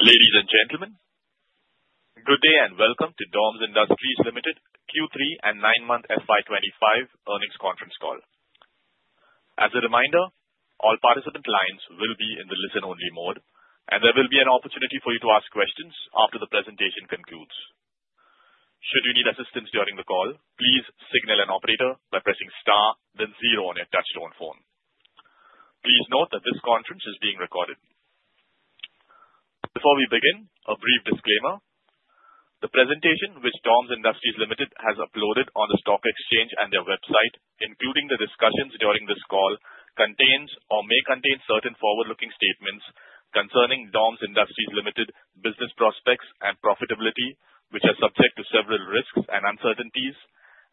Ladies, and gentlemen, good day and welcome to DOMS Industries Limited Q3 and Nine-Month FY 2025 Earnings Conference Call. As a reminder, all participant lines will be in the listen-only mode, and there will be an opportunity for you to ask questions after the presentation concludes. Should you need assistance during the call, please signal an operator by pressing star, then zero on your touch-tone phone. Please note that this conference is being recorded. Before we begin, a brief disclaimer. The presentation which DOMS Industries Limited has uploaded on the stock exchange and their website, including the discussions during this call, contains or may contain certain forward-looking statements concerning DOMS Industries Limited's business prospects and profitability, which are subject to several risks and uncertainties,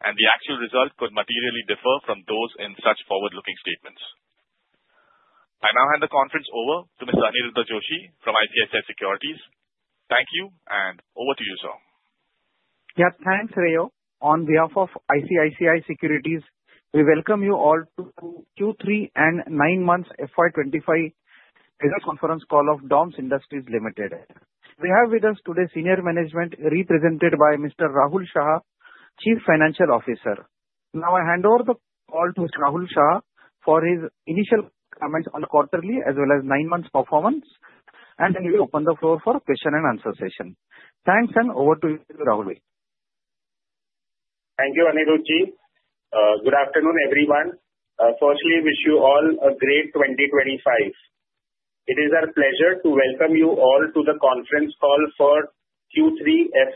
and the actual results could materially differ from those in such forward-looking statements. I now hand the conference over to Mr. Aniruddha Joshi from ICICI Securities. Thank you, and over to you, sir. Yeah, thanks, Reyo. On behalf of ICICI Securities, we welcome you all to Q3 and Nine-Month FY 2025 Conference Call of DOMS Industries Limited. We have with us today senior management, represented by Mr. Rahul Shah, Chief Financial Officer. Now I hand over the call to Rahul Shah for his initial comments on quarterly as well as nine-month performance, and then we open the floor for a question-and-answer session. Thanks, and over to you, Rahul. Thank you, Aniruddha Ji. Good afternoon, everyone. Firstly, wish you all a great 2025. It is our pleasure to welcome you all to the conference call for Q3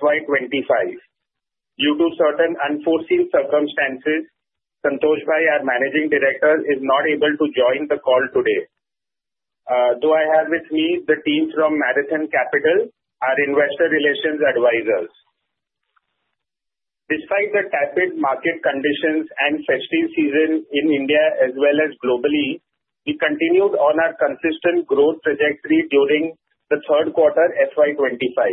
FY 2025. Due to certain unforeseen circumstances, Santosh Bhai, our managing director, is not able to join the call today. Though I have with me the team from Marathon Capital, our investor relations advisors. Despite the tough market conditions and festive season in India as well as globally, we continued on our consistent growth trajectory during the third quarter FY 2025.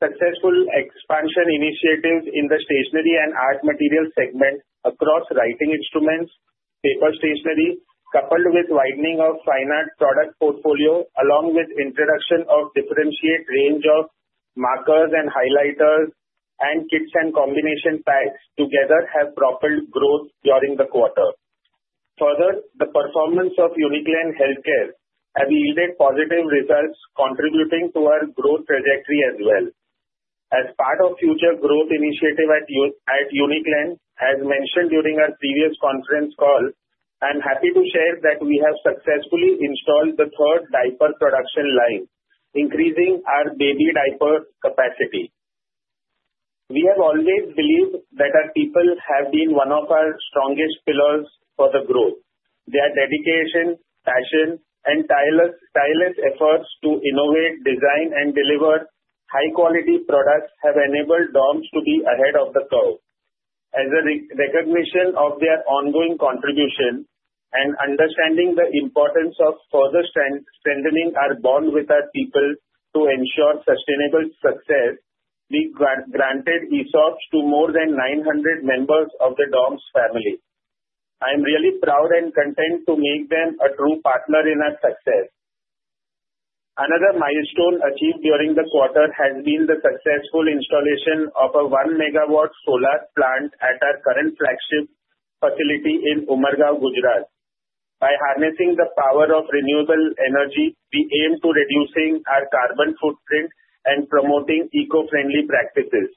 Successful expansion initiatives in the stationery and art material segment across writing instruments, paper stationery, coupled with widening of fine art product portfolio, along with the introduction of differentiated range of markers and highlighters and kits and combination packs, together have propelled growth during the quarter. Further, the performance of Uniclan Healthcare has yielded positive results, contributing to our growth trajectory as well. As part of future growth initiatives at Uniclan, as mentioned during our previous conference call, I'm happy to share that we have successfully installed the third diaper production line, increasing our baby diaper capacity. We have always believed that our people have been one of our strongest pillars for the growth. Their dedication, passion, and tireless efforts to innovate, design, and deliver high-quality products have enabled DOMS to be ahead of the curve. As a recognition of their ongoing contribution and understanding the importance of further strengthening our bond with our people to ensure sustainable success, we granted ESOPs to more than 900 members of the DOMS family. I'm really proud and content to make them a true partner in our success. Another milestone achieved during the quarter has been the successful installation of a one-megawatt solar plant at our current flagship facility in Umargam, Gujarat. By harnessing the power of renewable energy, we aim to reduce our carbon footprint and promote eco-friendly practices.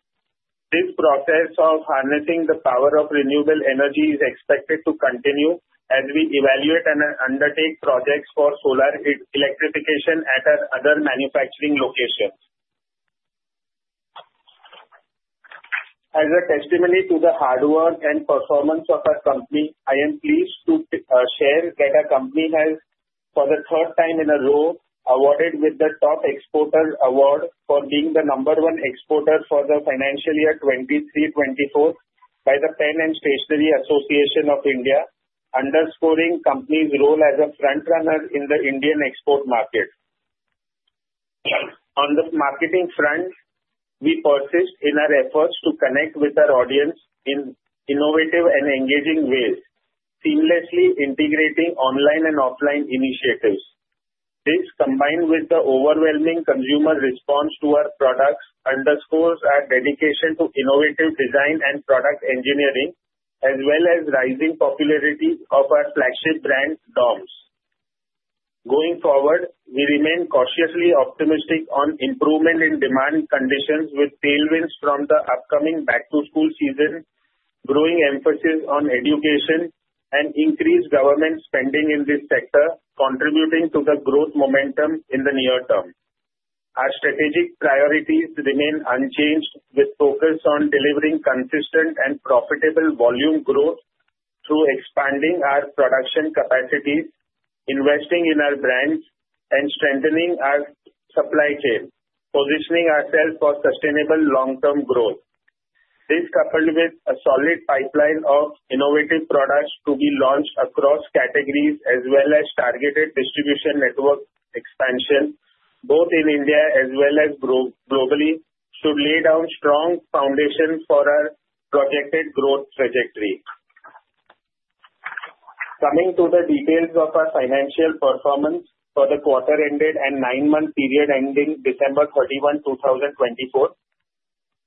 This process of harnessing the power of renewable energy is expected to continue as we evaluate and undertake projects for solar electrification at our other manufacturing locations. As a testimony to the hard work and performance of our company, I am pleased to share that our company has, for the third time in a row, been awarded the Top Exporter Award for being the number one exporter for the financial year 2023-2024 by the Pen & Stationery Association of India, underscoring the company's role as a front-runner in the Indian export market. On the marketing front, we persist in our efforts to connect with our audience in innovative and engaging ways, seamlessly integrating online and offline initiatives. This, combined with the overwhelming consumer response to our products, underscores our dedication to innovative design and product engineering, as well as the rising popularity of our flagship brand, DOMS. Going forward, we remain cautiously optimistic on improvement in demand conditions with tailwinds from the upcoming back-to-school season, growing emphasis on education, and increased government spending in this sector, contributing to the growth momentum in the near term. Our strategic priorities remain unchanged, with a focus on delivering consistent and profitable volume growth through expanding our production capacities, investing in our brands, and strengthening our supply chain, positioning ourselves for sustainable long-term growth. This, coupled with a solid pipeline of innovative products to be launched across categories as well as targeted distribution network expansion, both in India as well as globally, should lay down a strong foundation for our projected growth trajectory. Coming to the details of our financial performance for the quarter-ended and nine-month period ending December 31, 2024,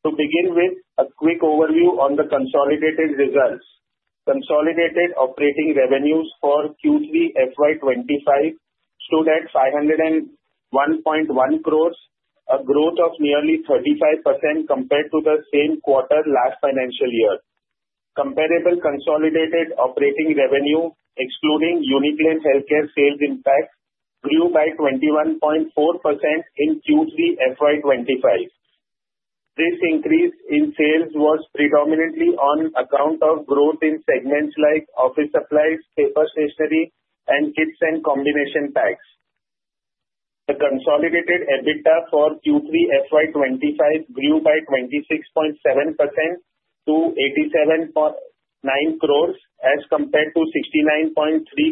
to begin with a quick overview on the consolidated results. Consolidated operating revenues for Q3 FY 2025 stood at 501.1 crores, a growth of nearly 35% compared to the same quarter last financial year. Comparable consolidated operating revenue, excluding Uniclan Healthcare net sales, grew by 21.4% in Q3 FY 2025. This increase in sales was predominantly on account of growth in segments like office supplies, paper stationery, and kits and combination packs. The consolidated EBITDA for Q3 FY 2025 grew by 26.7% to 87.9 crores, as compared to 69.3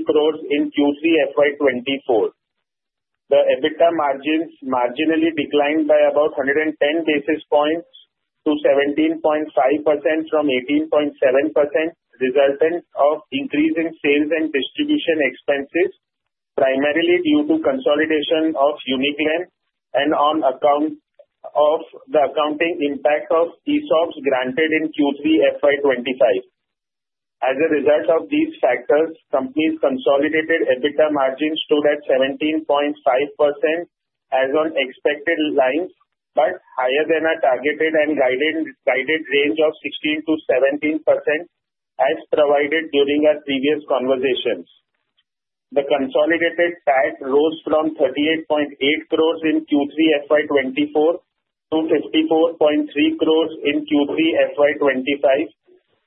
crores in Q3 FY 2024. The EBITDA margins marginally declined by about 110 basis points to 17.5% from 18.7%, resultant of increasing sales and distribution expenses, primarily due to the consolidation of Uniclan and on account of the accounting impact of ESOPs granted in Q3 FY 2025. As a result of these factors, the company's consolidated EBITDA margins stood at 17.5% as on expected lines, but higher than our targeted and guided range of 16%-17%, as provided during our previous conversations. The consolidated PAT rose from 38.8 crores in Q3 FY 2024 to 54.3 crores in Q3 FY 2025,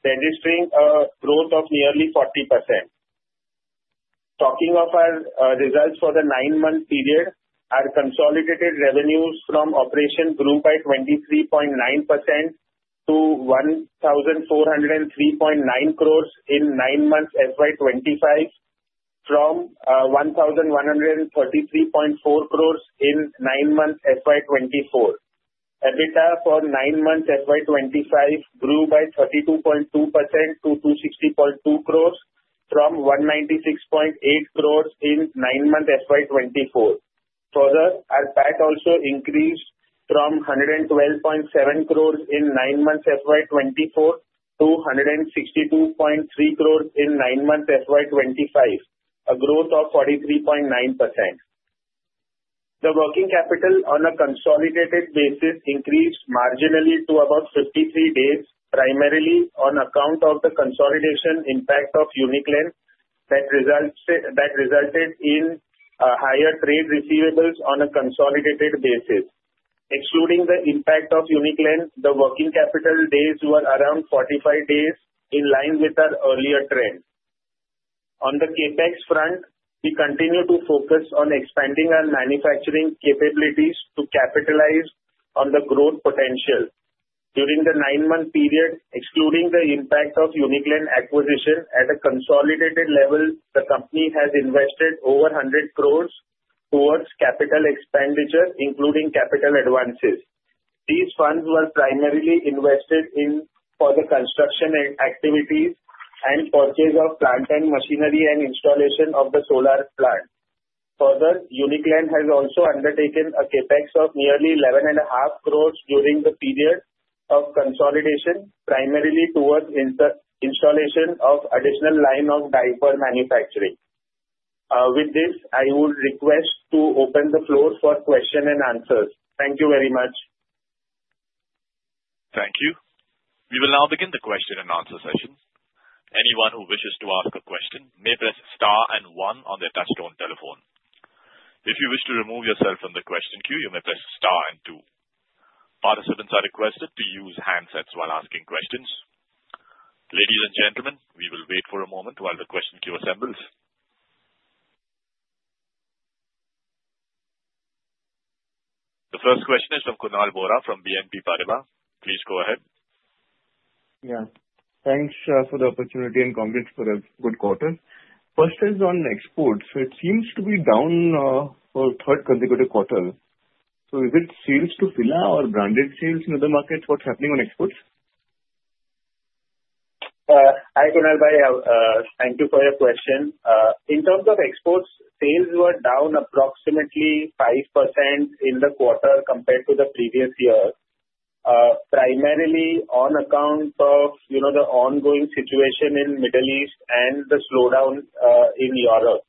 registering a growth of nearly 40%. Talking of our results for the nine-month period, our consolidated revenues from operations grew by 23.9% to 1,403.9 crores in nine-month FY 2025, from 1,133.4 crores in nine-month FY 2024. EBITDA for nine-month FY 2025 grew by 32.2% to 260.2 crores, from 196.8 crores in nine-month FY 2024. Further, our PAT also increased from 112.7 crores in nine-month FY 2024 to 162.3 crores in nine-month FY 2025, a growth of 43.9%. The working capital on a consolidated basis increased marginally to about 53 days, primarily on account of the consolidation impact of Uniclan, that resulted in higher trade receivables on a consolidated basis. Excluding the impact of Uniclan, the working capital days were around 45 days, in line with our earlier trend. On the CAPEX front, we continue to focus on expanding our manufacturing capabilities to capitalize on the growth potential. During the nine-month period, excluding the impact of Uniclan acquisition, at a consolidated level, the company has invested over 100 crores towards capital expenditure, including capital advances. These funds were primarily invested in construction activities and purchase of plant and machinery and installation of the solar plant. Further, Uniclan has also undertaken a CAPEX of nearly 11.5 crores during the period of consolidation, primarily towards installation of an additional line of diaper manufacturing. With this, I would request to open the floor for questions and answers. Thank you very much. Thank you. We will now begin the question-and-answer session. Anyone who wishes to ask a question may press star and one on their touch-tone telephone. If you wish to remove yourself from the question queue, you may press star and two. Participants are requested to use handsets while asking questions. Ladies and gentlemen, we will wait for a moment while the question queue assembles. The first question is from Kunal Vora from BNP Paribas. Please go ahead. Yeah. Thanks for the opportunity and congrats for a good quarter. First is on exports. It seems to be down for the third consecutive quarter. So is it sales to FILA or branded sales in the market? What's happening on exports? Hi, Kunal Bhai. Thank you for your question. In terms of exports, sales were down approximately 5% in the quarter compared to the previous year, primarily on account of the ongoing situation in the Middle East and the slowdown in Europe,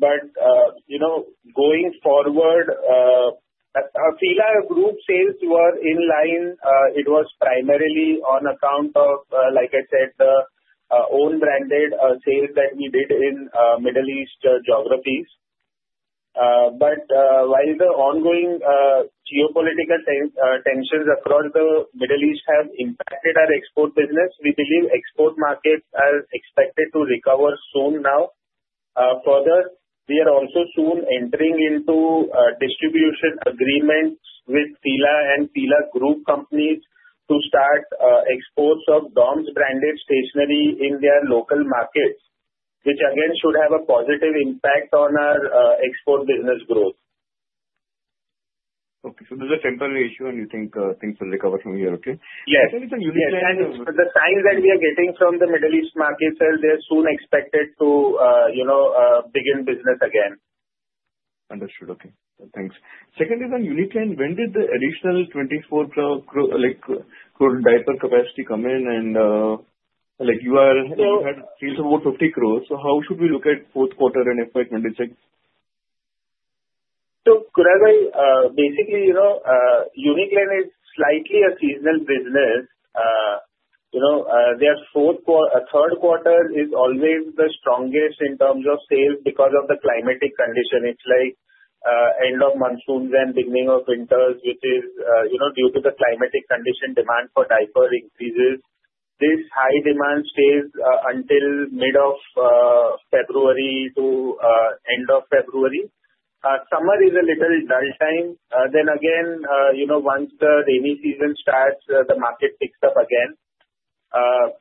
but going forward, our FILA Group sales were in line. It was primarily on account of, like I said, the own branded sales that we did in Middle East geographies, but while the ongoing geopolitical tensions across the Middle East have impacted our export business, we believe the export markets are expected to recover soon now. Further, we are also soon entering into distribution agreements with FILA and FILA Group companies to start exports of DOMS branded stationery in their local markets, which again should have a positive impact on our export business growth. Okay. So there's a temporary issue, and you think things will recover from here. Okay. Yes. Second is on Uniclan. Yes, and the signs that we are getting from the Middle East market say they're soon expected to begin business again. Understood. Okay. Thanks. Second is on Uniclan. When did the additional 24 crore diaper capacity come in? And you had sales of about 50 crores. So how should we look at the fourth quarter and FY 2026? Kunal Bhai, basically, Uniclan is slightly a seasonal business. Their third quarter is always the strongest in terms of sales because of the climatic conditions. It's like the end of monsoons and the beginning of winters, which is due to the climatic conditions. Demand for diaper increases. This high demand stays until mid-February to end-February. Summer is a little dull time. Then again, once the rainy season starts, the market picks up again.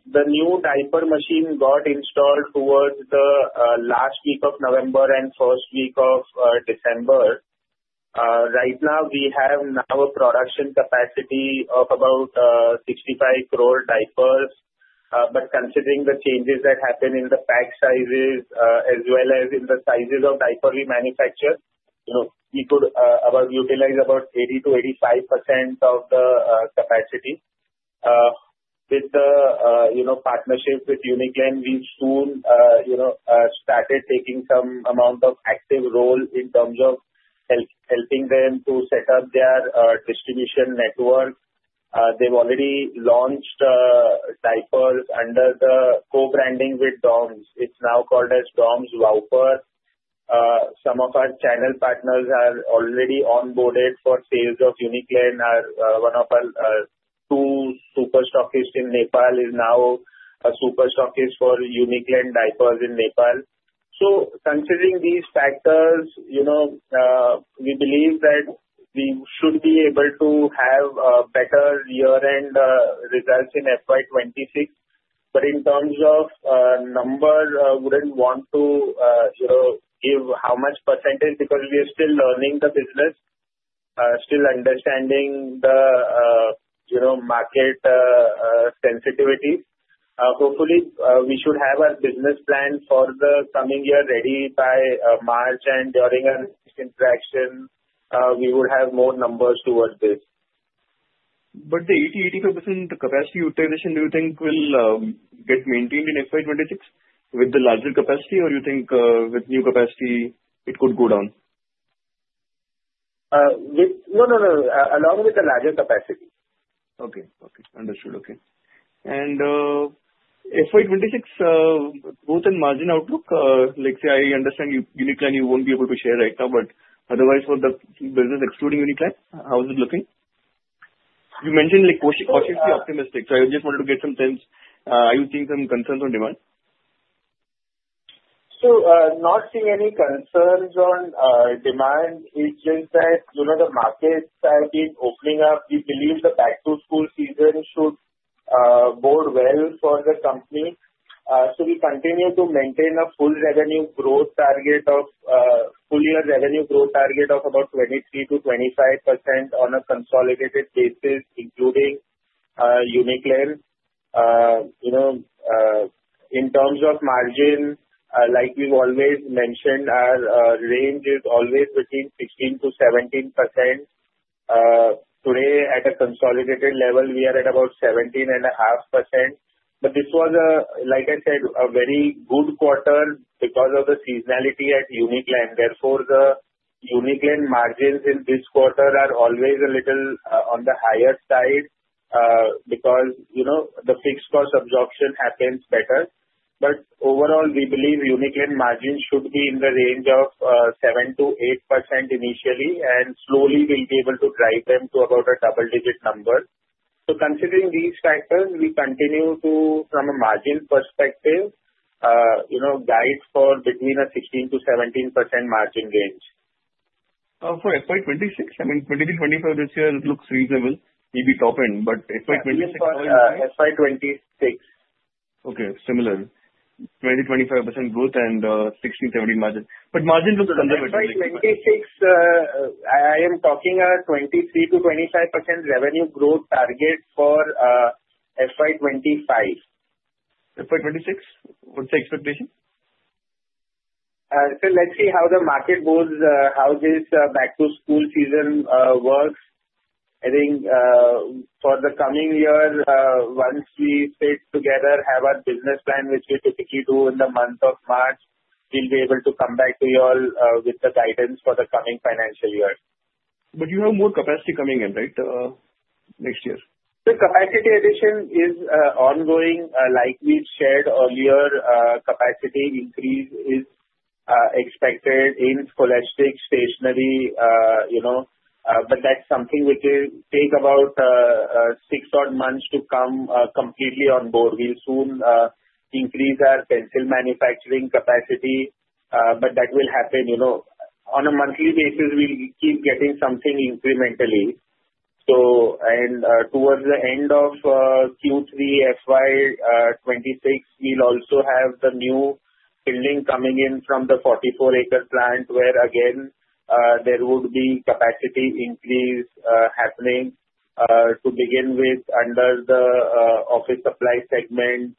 The new diaper machine got installed towards the last week of November and the first week of December. Right now, we have a production capacity of about 65 crore diapers. But considering the changes that happened in the pack sizes as well as in the sizes of diaper we manufacture, we could utilize about 80%-85% of the capacity. With the partnership with Uniclan, we soon started taking some amount of active role in terms of helping them to set up their distribution network. They've already launched diapers under the co-branding with DOMS. It's now called as DOMS Wowper. Some of our channel partners are already onboarded for sales of Uniclan. One of our two superstockists in Nepal is now a superstockist for Uniclan diapers in Nepal. So considering these factors, we believe that we should be able to have a better year-end results in FY 2026. But in terms of numbers, I wouldn't want to give how much percentage because we are still learning the business, still understanding the market sensitivities. Hopefully, we should have our business plan for the coming year ready by March, and during our next interaction, we would have more numbers towards this. But the 80%-85% capacity utilization, do you think will get maintained in FY 2026 with the larger capacity, or do you think with new capacity it could go down? No, no, no. Along with the larger capacity. Okay. Okay. Understood. Okay. And FY 2026, both in margin outlook, I understand Uniclan you won't be able to share right now, but otherwise, for the business excluding Uniclan, how is it looking? You mentioned cautiously optimistic, so I just wanted to get some sense. Are you seeing some concerns on demand? Not seeing any concerns on demand. It's just that the markets are opening up. We believe the back-to-school season should bode well for the company. We continue to maintain a full year revenue growth target of about 23%-25% on a consolidated basis, including Uniclan. In terms of margin, like we've always mentioned, our range is always between 16%-17%. Today, at a consolidated level, we are at about 17.5%. But this was, like I said, a very good quarter because of the seasonality at Uniclan. Therefore, the Uniclan margins in this quarter are always a little on the higher side because the fixed-cost absorption happens better. But overall, we believe Uniclan margins should be in the range of 7%-8% initially, and slowly we'll be able to drive them to about a double-digit number. So considering these factors, we continue to, from a margin perspective, guide for between 16%-17% margin range. For FY 2026, I mean, 2025 this year looks reasonable. Maybe top end, but FY 2026. FY 2026. Okay. Similar. 20%-25% growth and 16%-17% margin. But margin looks conservative. FY 2026, I am talking about 23%-25% revenue growth target for FY 2025. FY 2026? What's the expectation? So let's see how the market goes, how this back-to-school season works. I think for the coming year, once we sit together, have our business plan, which we typically do in the month of March, we'll be able to come back to you all with the guidance for the coming financial year. But you have more capacity coming in, right, next year? The capacity addition is ongoing. Like we shared earlier, capacity increase is expected in Scholastic Stationery, but that's something which will take about six or seven months to come completely on board. We'll soon increase our pencil manufacturing capacity, but that will happen. On a monthly basis, we'll keep getting something incrementally, and towards the end of Q3 FY 2026, we'll also have the new building coming in from the 44-acre plant, where again, there would be capacity increase happening to begin with under the Office Supplies segment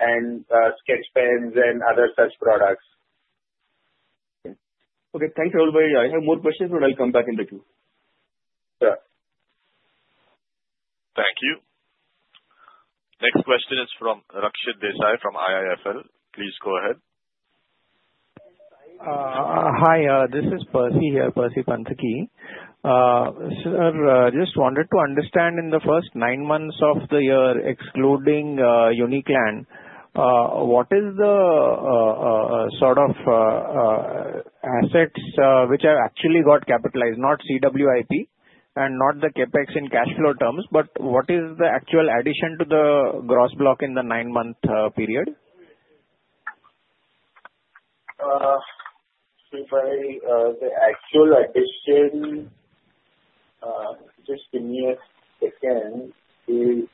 and sketch pens and other such products. Okay. Thanks, everybody. I have more questions, but I'll come back in the queue. Sure. Thank you. Next question is from Raksha Desai from IIFL. Please go ahead. Hi. This is Percy here, Percy Panthaki. Sir, I just wanted to understand in the first nine months of the year, excluding Uniclan, what is the sort of assets which have actually got capitalized, not CWIP and not the CapEx in cash flow terms, but what is the actual addition to the gross block in the nine-month period? The actual addition, just give me a second. Do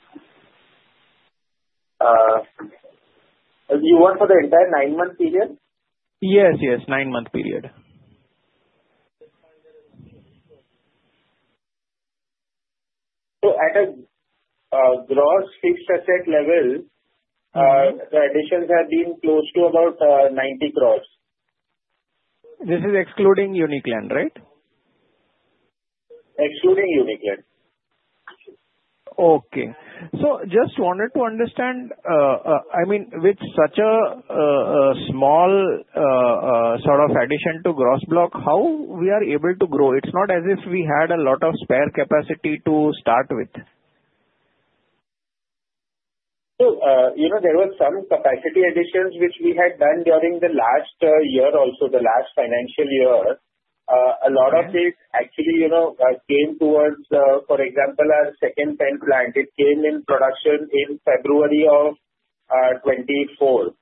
you want for the entire nine-month period? Yes, yes. Nine-month period. At a gross fixed asset level, the additions have been close to about 90 crores. This is excluding Uniclan, right? Excluding Uniclan. Okay. So just wanted to understand, I mean, with such a small sort of addition to gross block, how we are able to grow? It's not as if we had a lot of spare capacity to start with. So there were some capacity additions which we had done during the last year also, the last financial year. A lot of it actually came towards, for example, our second pen plant. It came in production in February of 2024.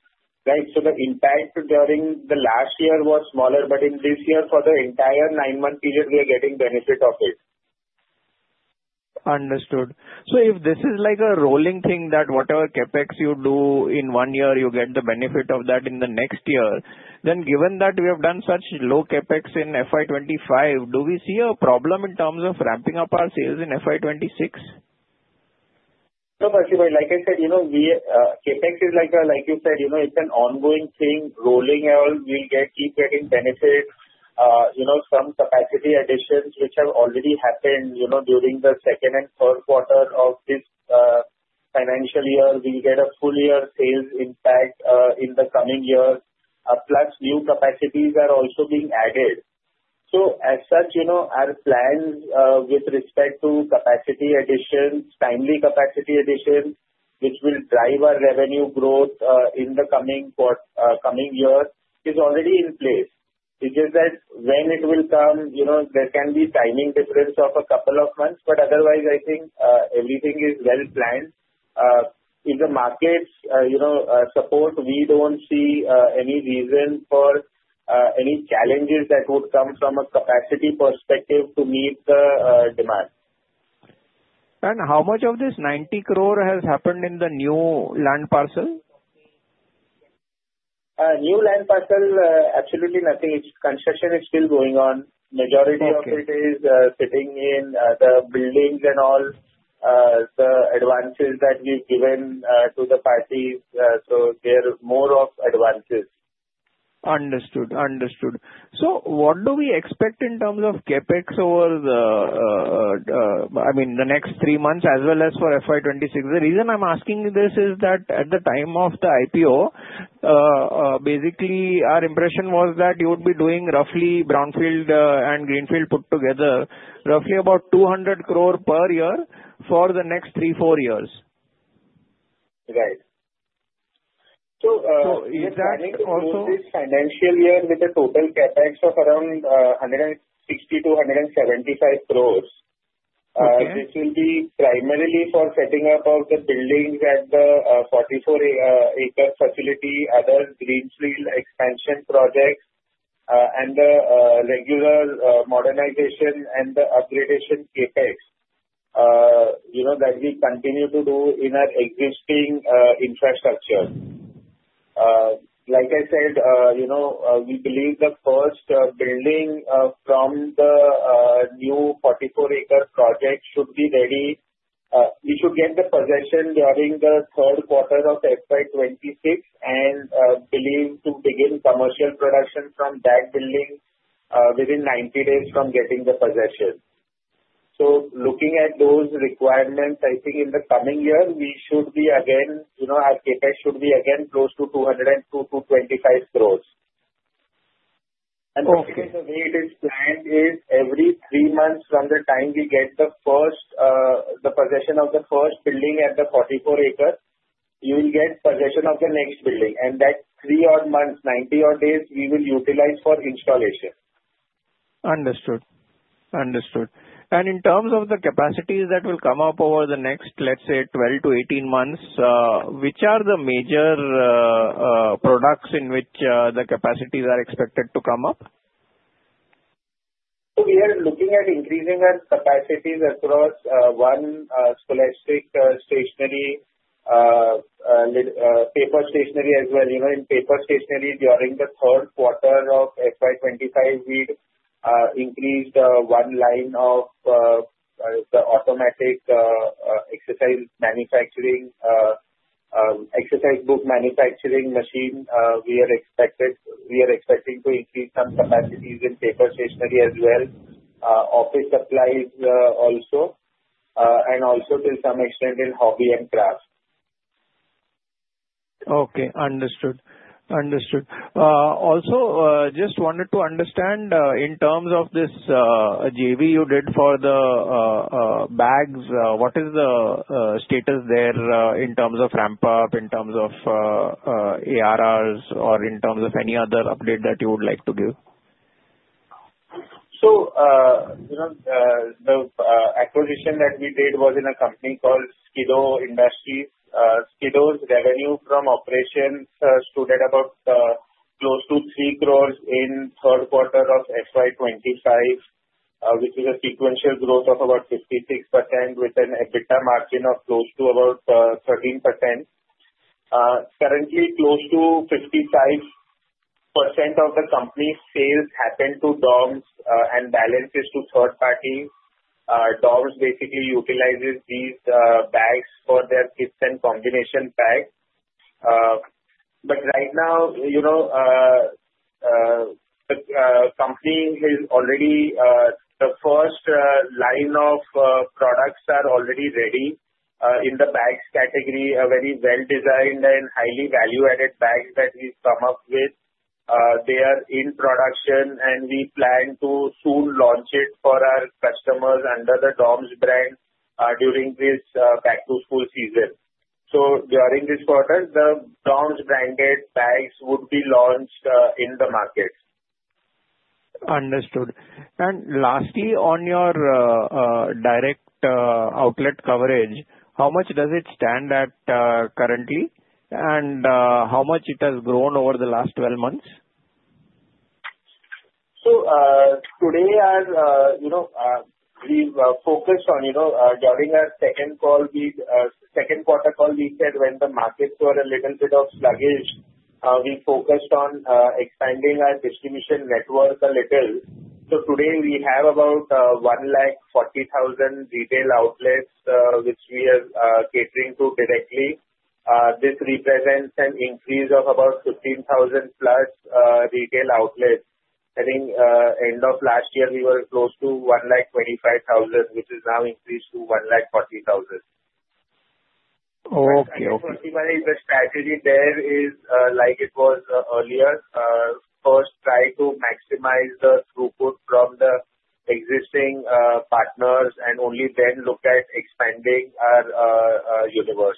Right? So the impact during the last year was smaller, but in this year, for the entire nine-month period, we are getting benefit of it. Understood. So if this is like a rolling thing that whatever CapEx you do in one year, you get the benefit of that in the next year, then given that we have done such low CapEx in FY 2025, do we see a problem in terms of ramping up our sales in FY 2026? No, Percy Bhai. Like I said, CapEx is, like you said, it's an ongoing thing. Rolling and we'll keep getting benefits, some capacity additions which have already happened during the second and third quarter of this financial year. We'll get a full year sales impact in the coming year. Plus, new capacities are also being added. So as such, our plans with respect to capacity additions, timely capacity additions, which will drive our revenue growth in the coming year is already in place. It's just that when it will come, there can be timing difference of a couple of months, but otherwise, I think everything is well planned. If the markets support, we don't see any reason for any challenges that would come from a capacity perspective to meet the demand. How much of this 90 crore has happened in the new land parcel? New land parcel, absolutely nothing. Construction is still going on. Majority of it is sitting in the buildings and all the advances that we've given to the parties. So there's more of advances. Understood. Understood. So what do we expect in terms of CAPEX over the, I mean, the next three months as well as for FY 2026? The reason I'm asking this is that at the time of the IPO, basically, our impression was that you would be doing roughly brownfield and greenfield put together, roughly about 200 crore per year for the next three, four years. Right. So if that includes this financial year with a total CAPEX of around 160 crores-175 crores, this will be primarily for setting up of the buildings at the 44-acre facility, other greenfield expansion projects, and the regular modernization and the upgradation CAPEX that we continue to do in our existing infrastructure. Like I said, we believe the first building from the new 44-acre project should be ready. We should get the possession during the third quarter of FY 2026 and believe to begin commercial production from that building within 90 days from getting the possession. So looking at those requirements, I think in the coming year, we should be again, our CAPEX should be again close to 202 crores-225 crores. Basically, the way it is planned is every three months from the time we get the possession of the first building at the 44-acre, you will get possession of the next building. That three odd months, 90 odd days, we will utilize for installation. Understood. Understood. And in terms of the capacities that will come up over the next, let's say, 12-18 months, which are the major products in which the capacities are expected to come up? So we are looking at increasing our capacities across one Scholastic Stationery, Paper Stationery as well. In Paper Stationery, during the third quarter of FY 2025, we've increased one line of the automatic exercise manufacturing, exercise book manufacturing machine. We are expecting to increase some capacities in Paper Stationery as well, Office Supplies also, and also to some extent in Hobby and Craft. Okay. Understood. Understood. Also, just wanted to understand in terms of this JV you did for the bags, what is the status there in terms of ramp-up, in terms of ARRs, or in terms of any other update that you would like to give? The acquisition that we did was in a company called Skido Industries. Skido's revenue from operations stood at about close to 3 crores in third quarter of FY 2025, which is a sequential growth of about 56% with an EBITDA margin of close to about 13%. Currently, close to 55% of the company's sales happen to DOMS and balances to third parties. DOMS basically utilizes these bags for their kits and combination packs. But right now, the company has already the first line of products are already ready in the bags category, a very well-designed and highly value-added bag that we've come up with. They are in production, and we plan to soon launch it for our customers under the DOMS brand during this back-to-school season. So during this quarter, the DOMS branded bags would be launched in the market. Understood, and lastly, on your direct outlet coverage, how much does it stand at currently, and how much it has grown over the last 12 months? So today, we've focused on during our second quarter call, we said when the markets were a little bit of sluggish, we focused on expanding our distribution network a little, so today, we have about 140,000 retail outlets, which we are catering to directly. This represents an increase of about 15,000+ retail outlets. I think end of last year, we were close to 125,000, which is now increased to 140,000. Okay. Okay. So basically, the strategy there is like it was earlier. First, try to maximize the throughput from the existing partners, and only then look at expanding our universe.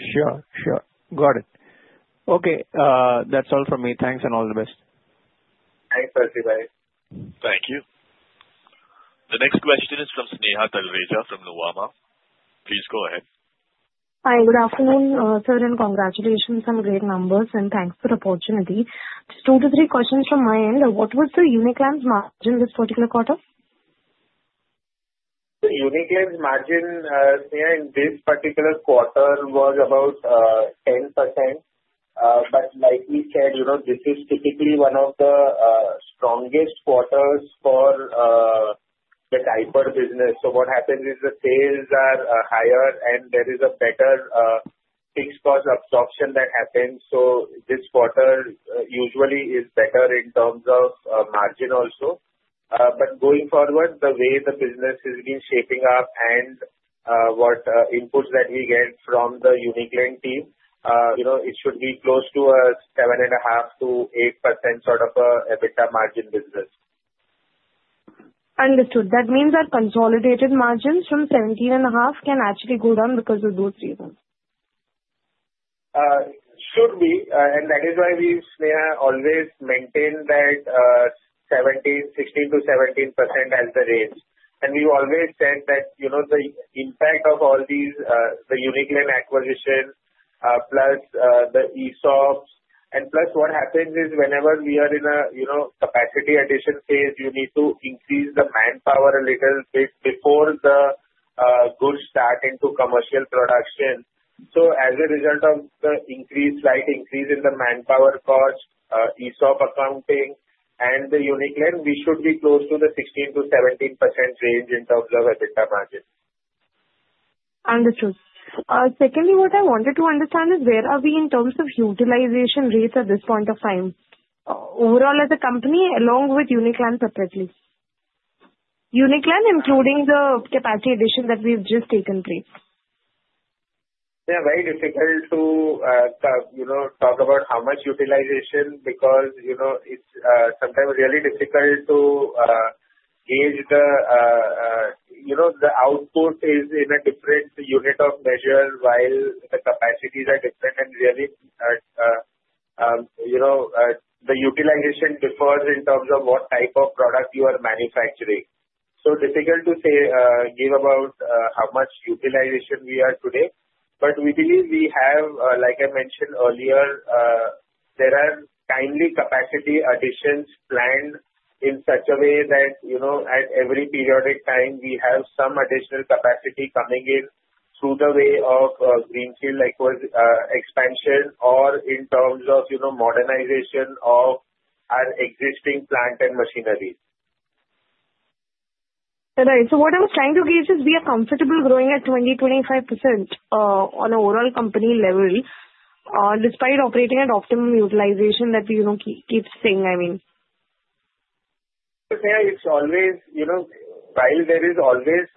Sure. Sure. Got it. Okay. That's all for me. Thanks and all the best. Thanks, Percy Bhai. Thank you. The next question is from Sneha Talreja from Nuvama. Please go ahead. Hi. Good afternoon, sir, and congratulations on great numbers, and thanks for the opportunity. Just two to three questions from my end. What was the Uniclan's margin this particular quarter? The Uniclan's margin, Sneha, in this particular quarter was about 10%. But like we said, this is typically one of the strongest quarters for the diaper business. So what happens is the sales are higher, and there is a better fixed cost absorption that happens. So this quarter usually is better in terms of margin also. But going forward, the way the business is being shaping up and what inputs that we get from the Uniclan team, it should be close to a 7.5%-8% sort of an EBITDA margin business. Understood. That means our consolidated margins from 17.5% can actually go down because of those reasons. Should be. And that is why we, Sneha, always maintain that 16%-17% as the range. And we've always said that the impact of all these, the Uniclan acquisition plus the ESOPs, and plus what happens is whenever we are in a capacity addition phase, you need to increase the manpower a little bit before the goods start into commercial production. So as a result of the slight increase in the manpower cost, ESOP accounting, and the Uniclan, we should be close to the 16%-17% range in terms of EBITDA margin. Understood. Secondly, what I wanted to understand is where are we in terms of utilization rates at this point of time? Overall as a company, along with Uniclan separately. Uniclan, including the capacity addition that has just taken place. Yeah. Very difficult to talk about how much utilization because it's sometimes really difficult to gauge the output is in a different unit of measure while the capacities are different and really the utilization differs in terms of what type of product you are manufacturing. So difficult to give about how much utilization we are today. But we believe we have, like I mentioned earlier, there are timely capacity additions planned in such a way that at every periodic time, we have some additional capacity coming in through the way of greenfield expansion or in terms of modernization of our existing plant and machinery. Right. So what I was trying to gauge is we are comfortable growing at 20%-25% on an overall company level despite operating at optimum utilization that we keep seeing, I mean. Sneha, it's always while there is always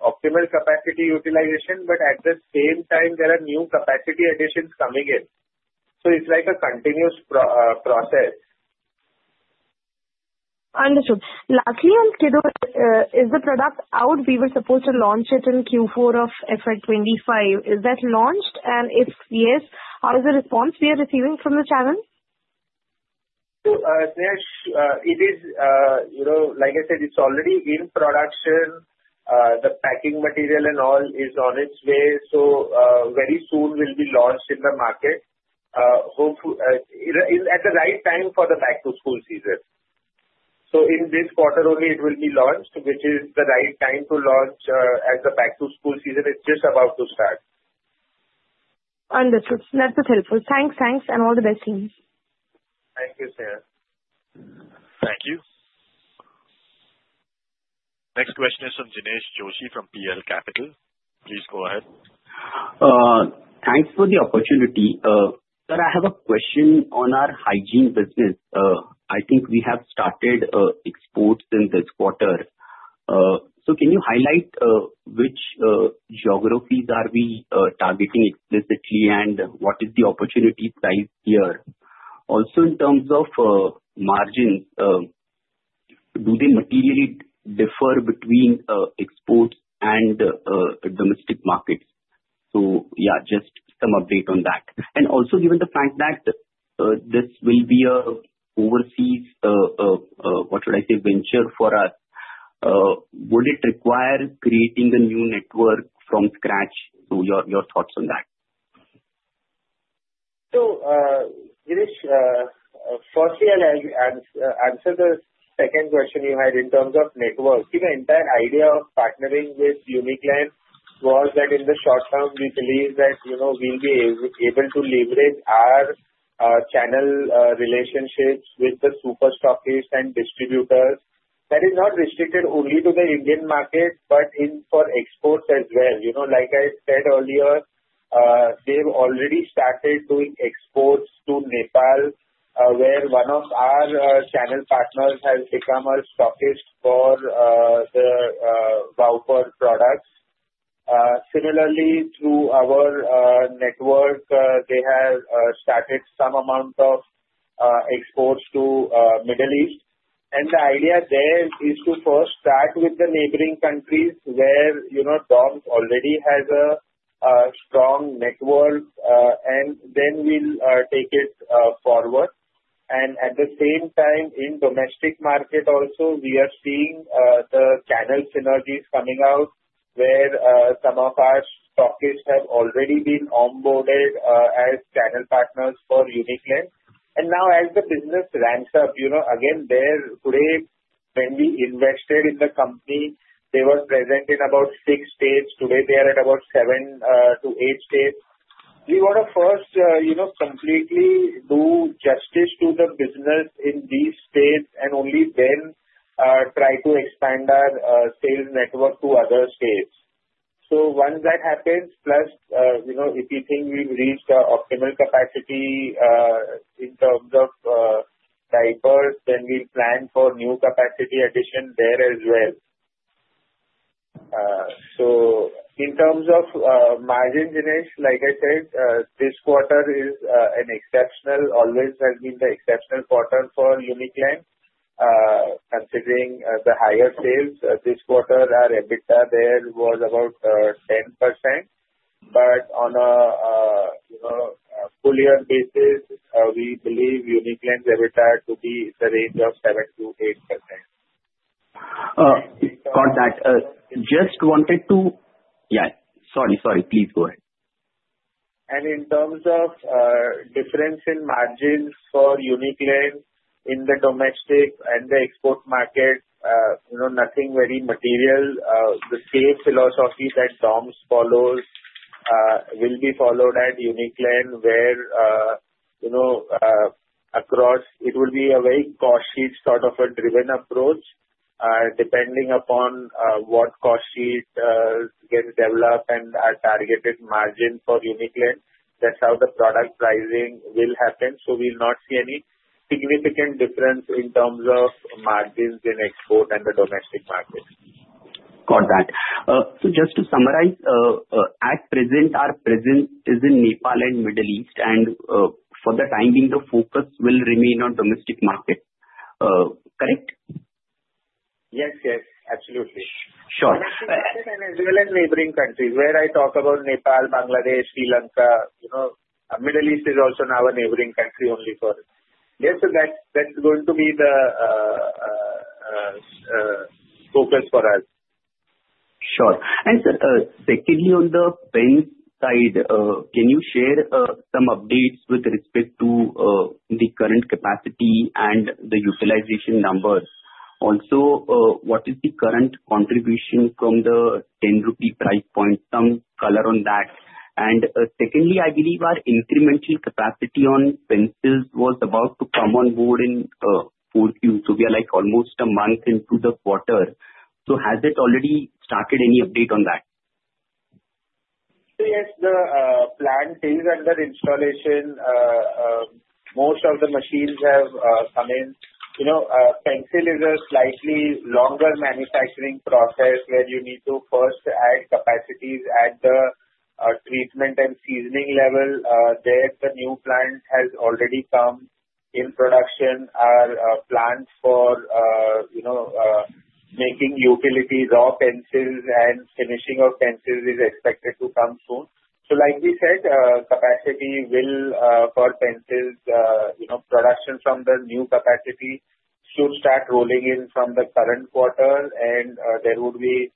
optimal capacity utilization, but at the same time, there are new capacity additions coming in. So it's like a continuous process. Understood. Lastly, on Skido, is the product out? We were supposed to launch it in Q4 of FY 2025. Is that launched? And if yes, how is the response we are receiving from the channel? Sneha, it is, like I said, it's already in production. The packing material and all is on its way. So very soon we'll be launched in the market, hopefully at the right time for the back-to-school season. So in this quarter only, it will be launched, which is the right time to launch as the back-to-school season is just about to start. Understood. That's helpful. Thanks. Thanks, and all the best team. Thank you, Sneha. Thank you. Next question is from Jinesh Joshi from PL Capital. Please go ahead. Thanks for the opportunity. Sir, I have a question on our hygiene business. I think we have started exports in this quarter. So can you highlight which geographies are we targeting explicitly and what is the opportunity size here? Also, in terms of margins, do they materially differ between exports and domestic markets? So yeah, just some update on that. And also, given the fact that this will be an overseas, what should I say, venture for us, would it require creating a new network from scratch? So your thoughts on that? Jinesh, firstly, I'll answer the second question you had in terms of network. The entire idea of partnering with Uniclan was that in the short term, we believe that we'll be able to leverage our channel relationships with the superstockists and distributors. That is not restricted only to the Indian market, but for exports as well. Like I said earlier, they've already started doing exports to Nepal, where one of our channel partners has become our stockist for the Wowper products. Similarly, through our network, they have started some amount of exports to the Middle East, and the idea there is to first start with the neighboring countries where DOMS already has a strong network, and then we'll take it forward. And at the same time, in the domestic market also, we are seeing the channel synergies coming out where some of our stockists have already been onboarded as channel partners for Uniclan. And now, as the business ramps up, again, today, when we invested in the company, they were present in about six states. Today, they are at about seven to eight states. We want to first completely do justice to the business in these states and only then try to expand our sales network to other states. So once that happens, plus if you think we've reached optimal capacity in terms of diapers, then we'll plan for new capacity addition there as well. So in terms of margin, Jinesh, like I said, this quarter is an exceptional, always has been the exceptional quarter for Uniclan. Considering the higher sales, this quarter, our EBITDA there was about 10%. But on a full-year basis, we believe Uniclan's EBITDA to be in the range of 7%-8%. Got that. Just wanted to, yeah. Sorry. Please go ahead. In terms of difference in margins for Uniclan in the domestic and the export market, nothing very material. The same philosophy that DOMS follows will be followed at Uniclan, where across it will be a very cost sheet sort of a driven approach. Depending upon what cost sheet gets developed and our targeted margin for Uniclan, that's how the product pricing will happen. We'll not see any significant difference in terms of margins in export and the domestic market. Got that. So just to summarize, at present, our presence is in Nepal and Middle East, and for the time being, the focus will remain on domestic markets. Correct? Yes, yes. Absolutely. Sure. And, as well as neighboring countries, where I talk about Nepal, Bangladesh, Sri Lanka. Middle East is also now a neighboring country only for us. Yes, so that's going to be the focus for us. Sure. And secondly, on the bank side, can you share some updates with respect to the current capacity and the utilization numbers? Also, what is the current contribution from the 10 rupees price point? Some color on that. And secondly, I believe our incremental capacity on pencils was about to come on board in Q4. So we are almost a month into the quarter. So has it already started any update on that? Yes. The plant seems under installation. Most of the machines have come in. Pencil is a slightly longer manufacturing process where you need to first add capacities at the treatment and seasoning level. There, the new plant has already come into production. Our plant for making utility raw pencils and finishing of pencils is expected to come soon. So like we said, capacity will for pencils, production from the new capacity should start rolling in from the current quarter, and there would be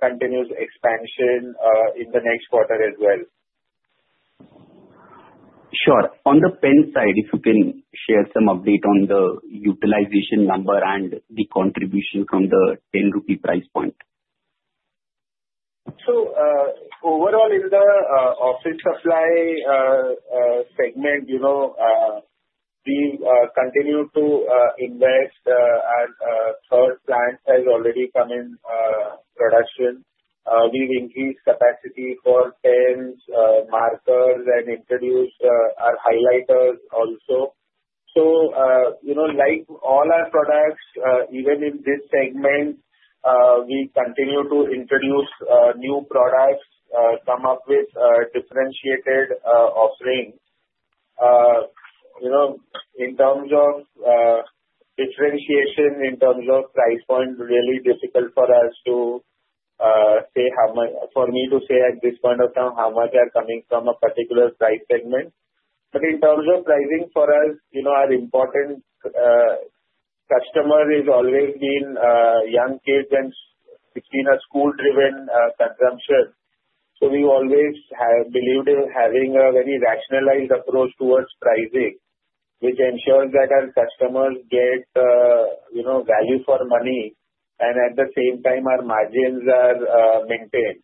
continuous expansion in the next quarter as well. Sure. On the pen side, if you can share some update on the utilization number and the contribution from the 10 rupees price point? So overall, in the office supply segment, we continue to invest. Our third plant has already come in production. We've increased capacity for pens, markers, and introduced our highlighters also. So like all our products, even in this segment, we continue to introduce new products, come up with differentiated offerings. In terms of differentiation, in terms of price point, really difficult for us to say how much for me to say at this point of time how much are coming from a particular price segment. But in terms of pricing for us, our important customer has always been young kids and between a school-driven consumption. So we always believed in having a very rationalized approach towards pricing, which ensures that our customers get value for money, and at the same time, our margins are maintained.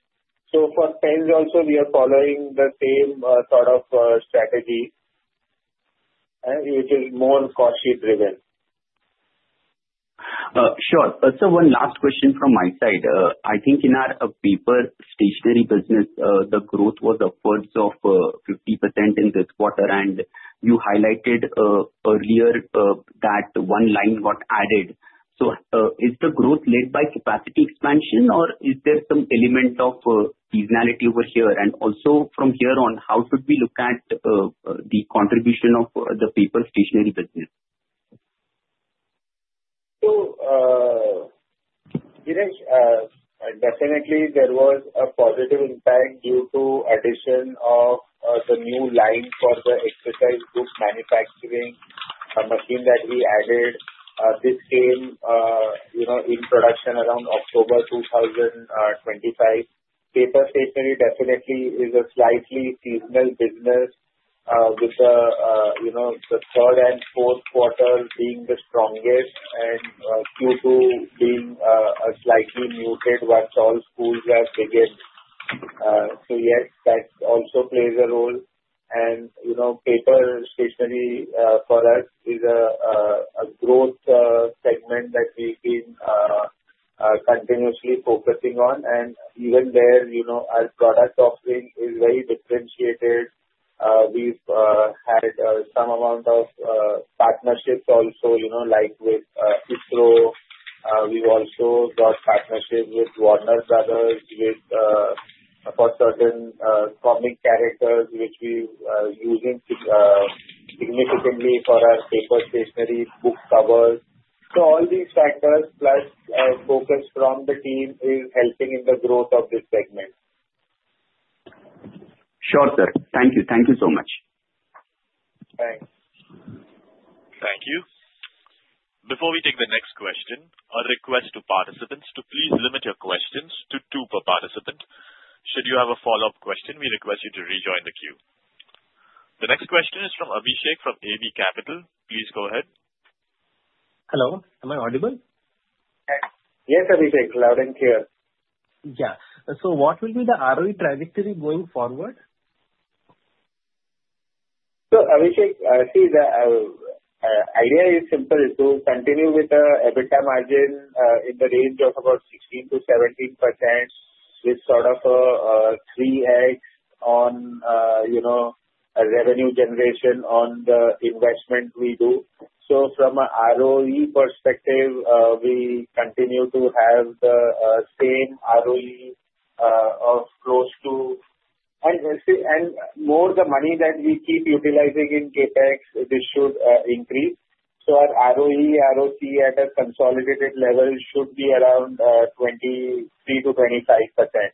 So for pens, also, we are following the same sort of strategy, which is more cost sheet-driven. Sure. So one last question from my side. I think in our paper stationery business, the growth was upwards of 50% in this quarter, and you highlighted earlier that one line got added. So is the growth led by capacity expansion, or is there some element of seasonality over here? And also, from here on, how should we look at the contribution of the paper stationery business? So Jinesh, definitely, there was a positive impact due to the addition of the new line for the exercise book manufacturing machine that we added. This came in production around October 2025. Paper stationery definitely is a slightly seasonal business, with the third and fourth quarter being the strongest and Q2 being a slightly muted once all schools have begun. So yes, that also plays a role. And paper stationery for us is a growth segment that we've been continuously focusing on. And even there, our product offering is very differentiated. We've had some amount of partnerships also, like with ISRO. We've also got partnerships with Warner Bros. for certain comic characters, which we're using significantly for our paper stationery book covers. So all these factors plus focus from the team is helping in the growth of this segment. Sure, sir. Thank you. Thank you so much. Thanks. Thank you. Before we take the next question, a request to participants to please limit your questions to two per participant. Should you have a follow-up question, we request you to rejoin the queue. The next question is from Abhishek from AB Capital. Please go ahead. Hello. Am I audible? Yes, Abhishek. Loud and clear. Yeah. So what will be the ROE trajectory going forward? So Abhishek, I see the idea is simple, so continue with the EBITDA margin in the range of about 16%-17% with sort of a 3x on revenue generation on the investment we do, so from an ROE perspective, we continue to have the same ROE of close to, and more the money that we keep utilizing in CapEx, this should increase, so our ROE, ROCE at a consolidated level should be around 23%-25%.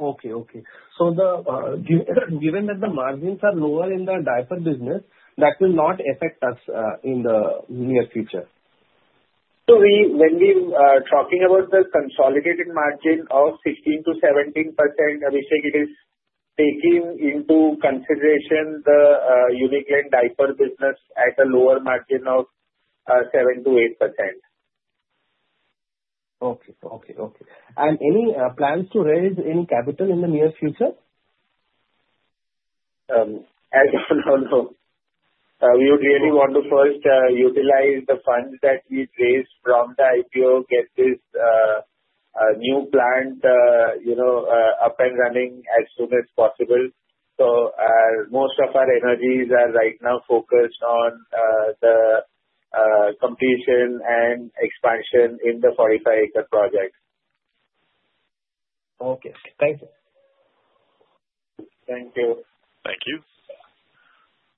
Okay, okay. So given that the margins are lower in the diaper business, that will not affect us in the near future. So when we are talking about the consolidated margin of 16%-17%, Abhishek, it is taking into consideration the Uniclan diaper business at a lower margin of 7%-8%. Any plans to raise any capital in the near future? I don't know. We would really want to first utilize the funds that we've raised from the IPO, get this new plant up and running as soon as possible. So most of our energies are right now focused on the completion and expansion in the 45-acre project. Okay. Thank you. Thank you. Thank you.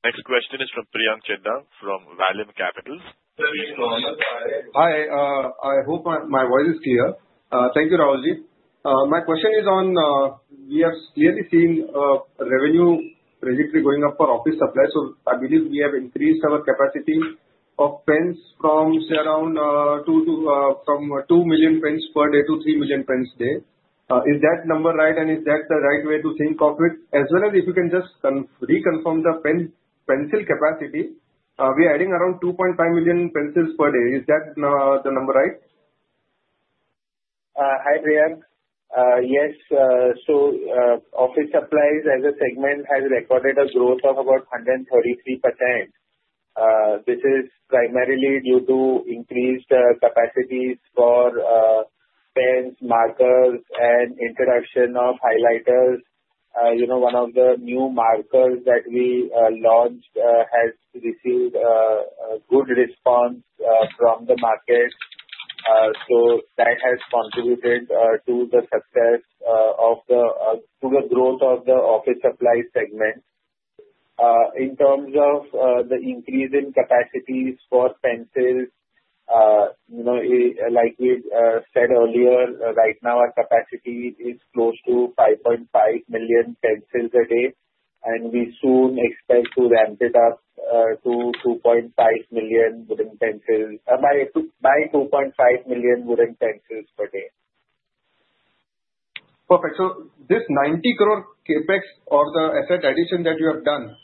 Next question is from Priyank Chheda from Vallum Capital. Hi. I hope my voice is clear. Thank you, Rahul Ji. My question is on, we have clearly seen revenue trajectory going up for office supplies. So I believe we have increased our capacity of pens from around 2 million pens per day to 3 million pens per day. Is that number right? And is that the right way to think of it? As well as if you can just reconfirm the pencil capacity, we are adding around 2.5 million pencils per day. Is that number right? Hi, Priyank. Yes. So office supplies as a segment has recorded a growth of about 133%. This is primarily due to increased capacities for pens, markers, and introduction of highlighters. One of the new markers that we launched has received a good response from the market. So that has contributed to the success of the growth of the office supplies segment. In terms of the increase in capacities for pencils, like we said earlier, right now our capacity is close to 5.5 million pencils a day. And we soon expect to ramp it up by 2.5 million wooden pencils per day. Perfect. So this INR 90 crore CapEx or the asset addition that you have done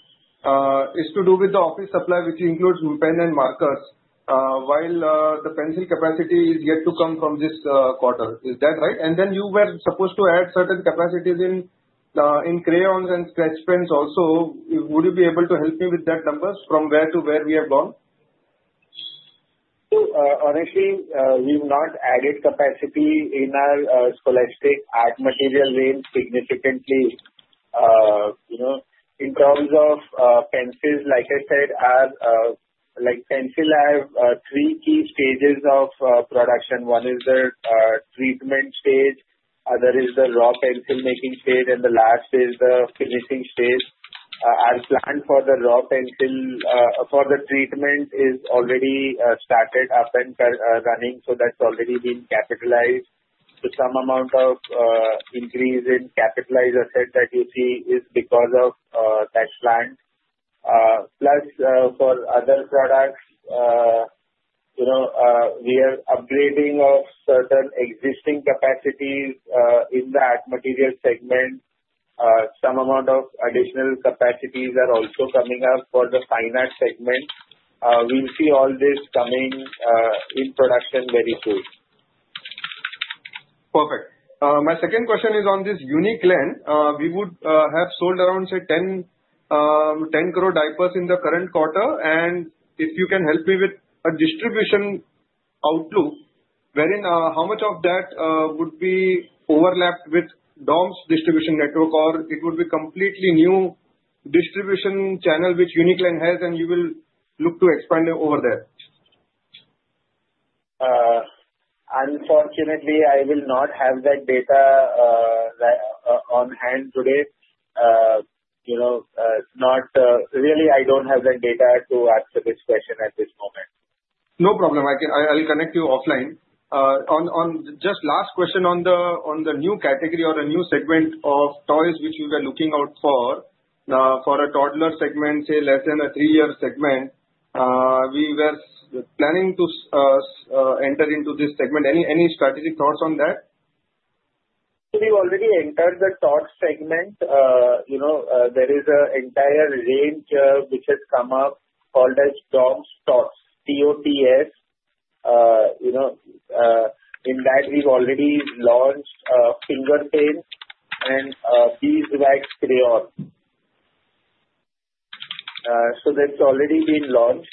is to do with the office supply, which includes pen and markers, while the pencil capacity is yet to come from this quarter. Is that right? And then you were supposed to add certain capacities in crayons and sketch pens also. Would you be able to help me with that number from where to where we have gone? So honestly, we've not added capacity in our Scholastic Art Materials range significantly. In terms of pencils, like I said, pencils have three key stages of production. One is the treatment stage, other is the raw pencil making stage, and the last is the finishing stage. Our plan for the raw pencil for the treatment is already started up and running. So that's already been capitalized. So some amount of increase in capitalized asset that you see is because of that plan. Plus, for other products, we are upgrading of certain existing capacities in the art material segment. Some amount of additional capacities are also coming up for the fine arts segment. We'll see all this coming in production very soon. Perfect. My second question is on this Uniclan. We would have sold around, say, 10 crore diapers in the current quarter. And if you can help me with a distribution outlook, how much of that would be overlapped with DOMS distribution network, or it would be completely new distribution channel which Uniclan has, and you will look to expand over there? Unfortunately, I will not have that data on hand today. Really, I don't have that data to answer this question at this moment. No problem. I'll connect you offline. Just last question on the new category or a new segment of toys which you were looking out for, for a toddler segment, say less than a three-year segment. We were planning to enter into this segment. Any strategic thoughts on that? So we've already entered the tots segment. There is an entire range which has come up called as DOMS Tots, T-O-T-S. In that, we've already launched finger paint and beeswax crayon. So that's already been launched.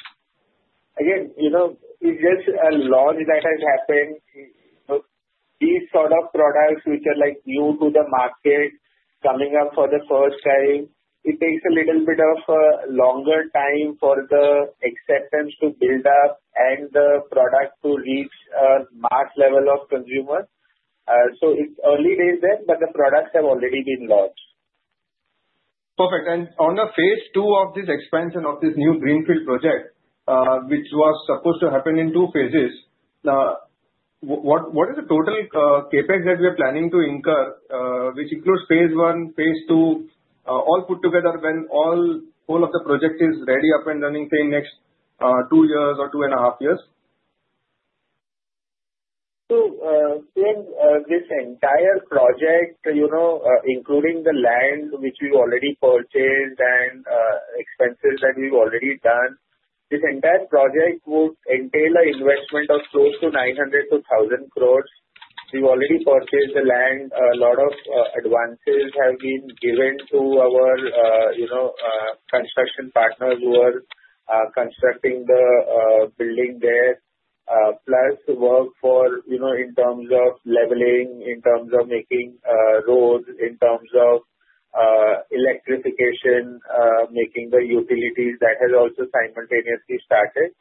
Again, it's just a launch that has happened. These sort of products which are new to the market, coming up for the first time, it takes a little bit of a longer time for the acceptance to build up and the product to reach a mass level of consumers. So it's early days there, but the products have already been launched. Perfect. And on the phase two of this expansion and of this new greenfield project, which was supposed to happen in two phases, what is the total CapEx that we are planning to incur, which includes phase one, phase two, all put together when all of the project is ready, up and running, say, next two years or two and a half years? So this entire project, including the land which we've already purchased and expenses that we've already done, this entire project would entail an investment of close to 900 crores-1,000 crores. We've already purchased the land. A lot of advances have been given to our construction partners who are constructing the building there, plus work in terms of leveling, in terms of making roads, in terms of electrification, making the utilities. That has also simultaneously started.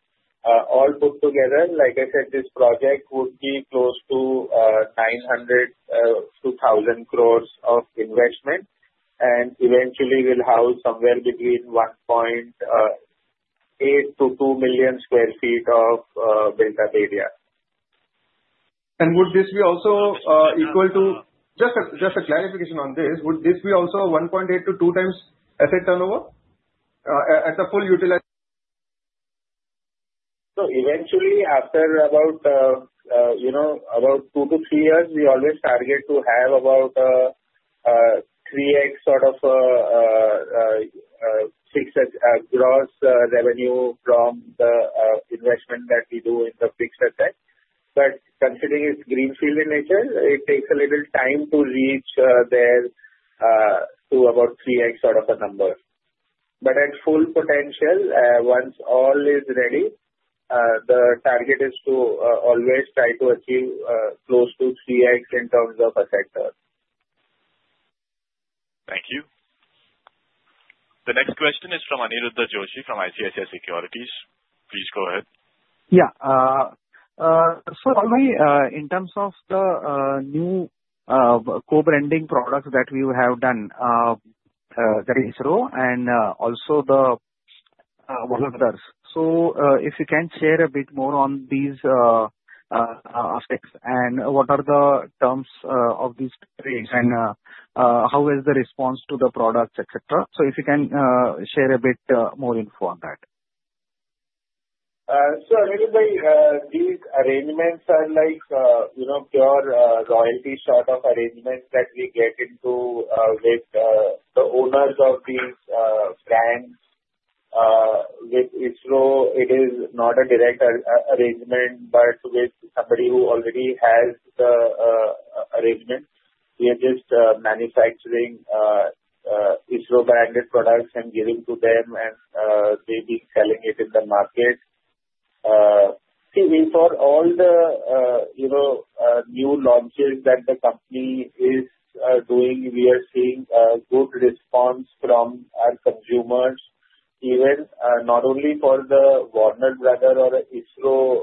All put together, like I said, this project would be close to 900 crores-1,000 crores of investment, and eventually, we'll house somewhere between 1.8-2 million sq ft of built-up area. Would this be also equal to just a clarification on this, would this be also 1.8-2 times asset turnover at the full utilization? So eventually, after about two to three years, we always target to have about 3x sort of gross revenue from the investment that we do in the fixed asset. But considering it's greenfield in nature, it takes a little time to reach there to about 3x sort of a number. But at full potential, once all is ready, the target is to always try to achieve close to 3x in terms of asset turnover. Thank you. The next question is from Aniruddha Joshi from ICICI Securities. Please go ahead. Yeah. So in terms of the new co-branding products that we have done, that is ISRO and also the one others, so if you can share a bit more on these aspects and what are the terms of these trades and how is the response to the products, et cetera. So if you can share a bit more info on that. So Aniruddha, these arrangements are pure royalty sort of arrangements that we get into with the owners of these brands. With ISRO, it is not a direct arrangement, but with somebody who already has the arrangement. We are just manufacturing ISRO-branded products and giving to them, and they've been selling it in the market. See, for all the new launches that the company is doing, we are seeing a good response from our consumers, even not only for the Warner Bros. or ISRO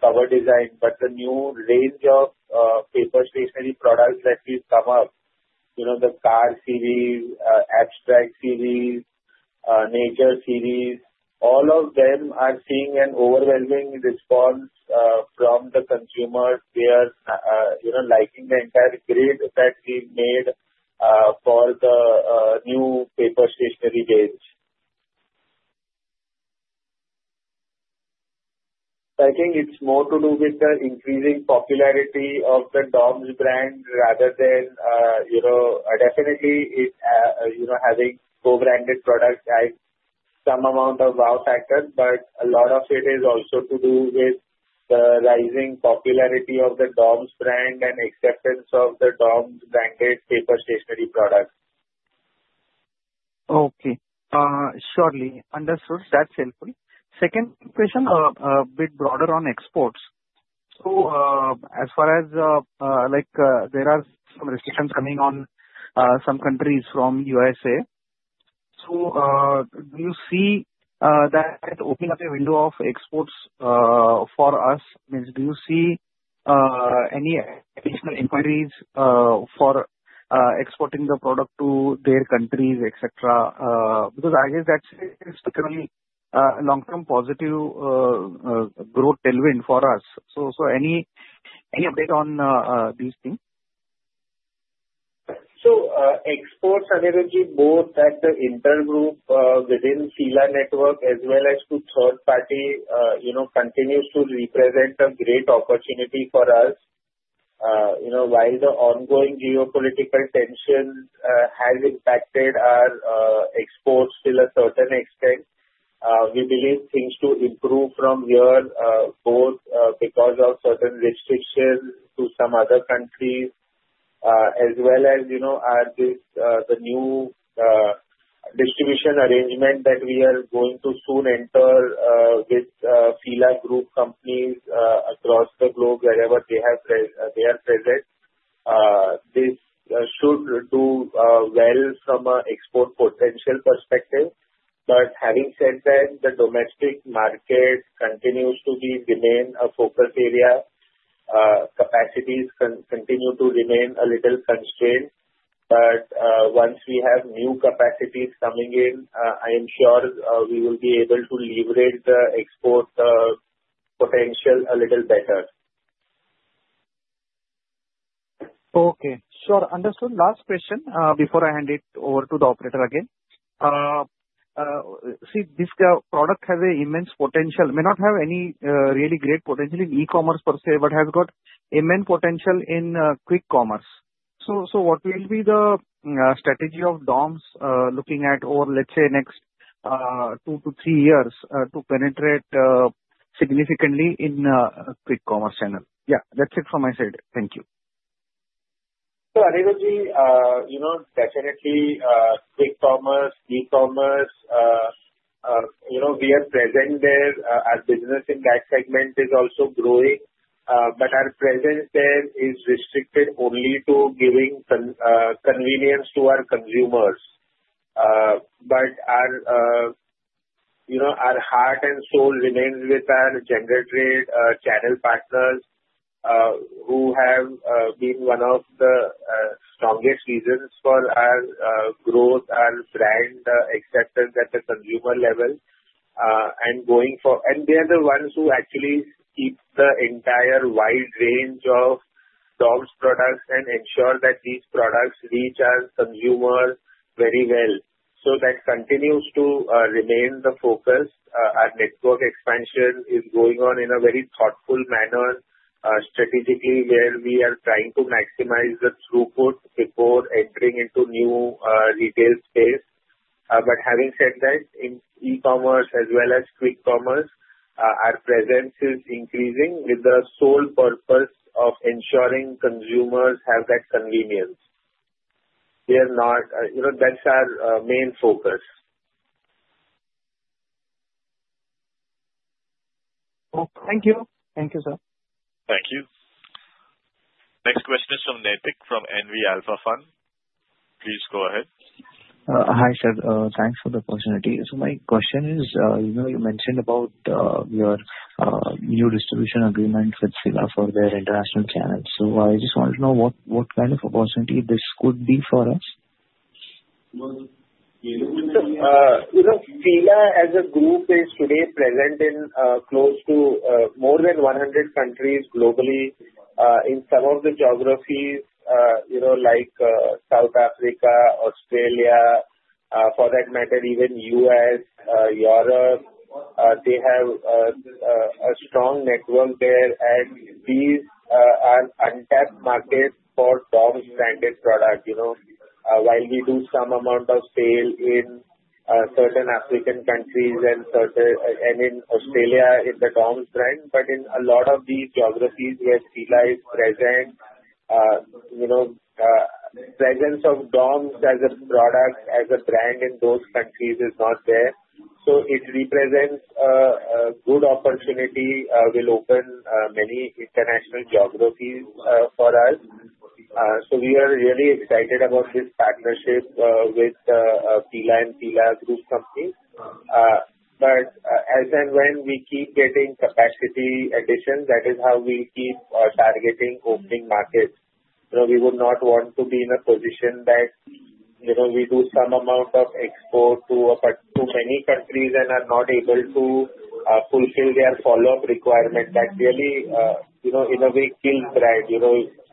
cover design, but the new range of paper stationery products that we've come up, the car series, abstract series, nature series, all of them are seeing an overwhelming response from the consumers. They are liking the entire grid that we've made for the new paper stationery range. I think it's more to do with the increasing popularity of the DOMS brand rather than definitely having co-branded products add some amount of wow factor, but a lot of it is also to do with the rising popularity of the DOMS brand and acceptance of the DOMS-branded paper stationery products. Okay. Surely. Understood. That's helpful. Second question, a bit broader on exports. So as far as there are some restrictions coming on some countries from USA, so do you see that opening up a window of exports for us? Do you see any additional inquiries for exporting the product to their countries, et cetera? Because I guess that's a long-term positive growth delivery for us. So any update on these things? So exports are going to be both at the intergroup within FILA network as well as to third party continues to represent a great opportunity for us. While the ongoing geopolitical tension has impacted our exports to a certain extent, we believe things to improve from here both because of certain restrictions to some other countries as well as the new distribution arrangement that we are going to soon enter with FILA group companies across the globe wherever they are present. This should do well from an export potential perspective. But having said that, the domestic market continues to remain a focus area. Capacities continue to remain a little constrained. But once we have new capacities coming in, I am sure we will be able to leverage the export potential a little better. Okay. Sure. Understood. Last question before I hand it over to the operator again. See, this product has an immense potential. May not have any really great potential in e-commerce per se, but has got immense potential in quick commerce. So what will be the strategy of DOMS looking at over, let's say, next two to three years to penetrate significantly in quick commerce channel? Yeah. That's it from my side. Thank you. So, Aniruddha, definitely quick commerce, e-commerce, we are present there as business in that segment is also growing. But our presence there is restricted only to giving convenience to our consumers. But our heart and soul remains with our general trade channel partners who have been one of the strongest reasons for our growth, our brand acceptance at the consumer level. And they are the ones who actually keep the entire wide range of DOMS products and ensure that these products reach our consumers very well. So that continues to remain the focus. Our network expansion is going on in a very thoughtful manner, strategically, where we are trying to maximize the throughput before entering into new retail space. But having said that, in e-commerce as well as quick commerce, our presence is increasing with the sole purpose of ensuring consumers have that convenience. That's our main focus. Thank you. Thank you, sir. Thank you. Next question is from Naitik from NV Alpha Fund. Please go ahead. Hi, sir. Thanks for the opportunity. So my question is, you mentioned about your new distribution agreement with FILA for their international channels. So I just want to know what kind of opportunity this could be for us. So FILA as a group is today present in close to more than 100 countries globally. In some of the geographies like South Africa, Australia, for that matter, even U.S., Europe, they have a strong network there. And these are untapped markets for DOMS-branded products. While we do some amount of sale in certain African countries and in Australia in the DOMS brand, but in a lot of these geographies where FILA is present, presence of DOMS as a product, as a brand in those countries is not there. So it represents a good opportunity. It will open many international geographies for us. So we are really excited about this partnership with FILA and FILA group companies. But as and when we keep getting capacity addition, that is how we keep targeting opening markets. We would not want to be in a position that we do some amount of export to many countries and are not able to fulfill their follow-up requirement. That really, in a way, kills brand.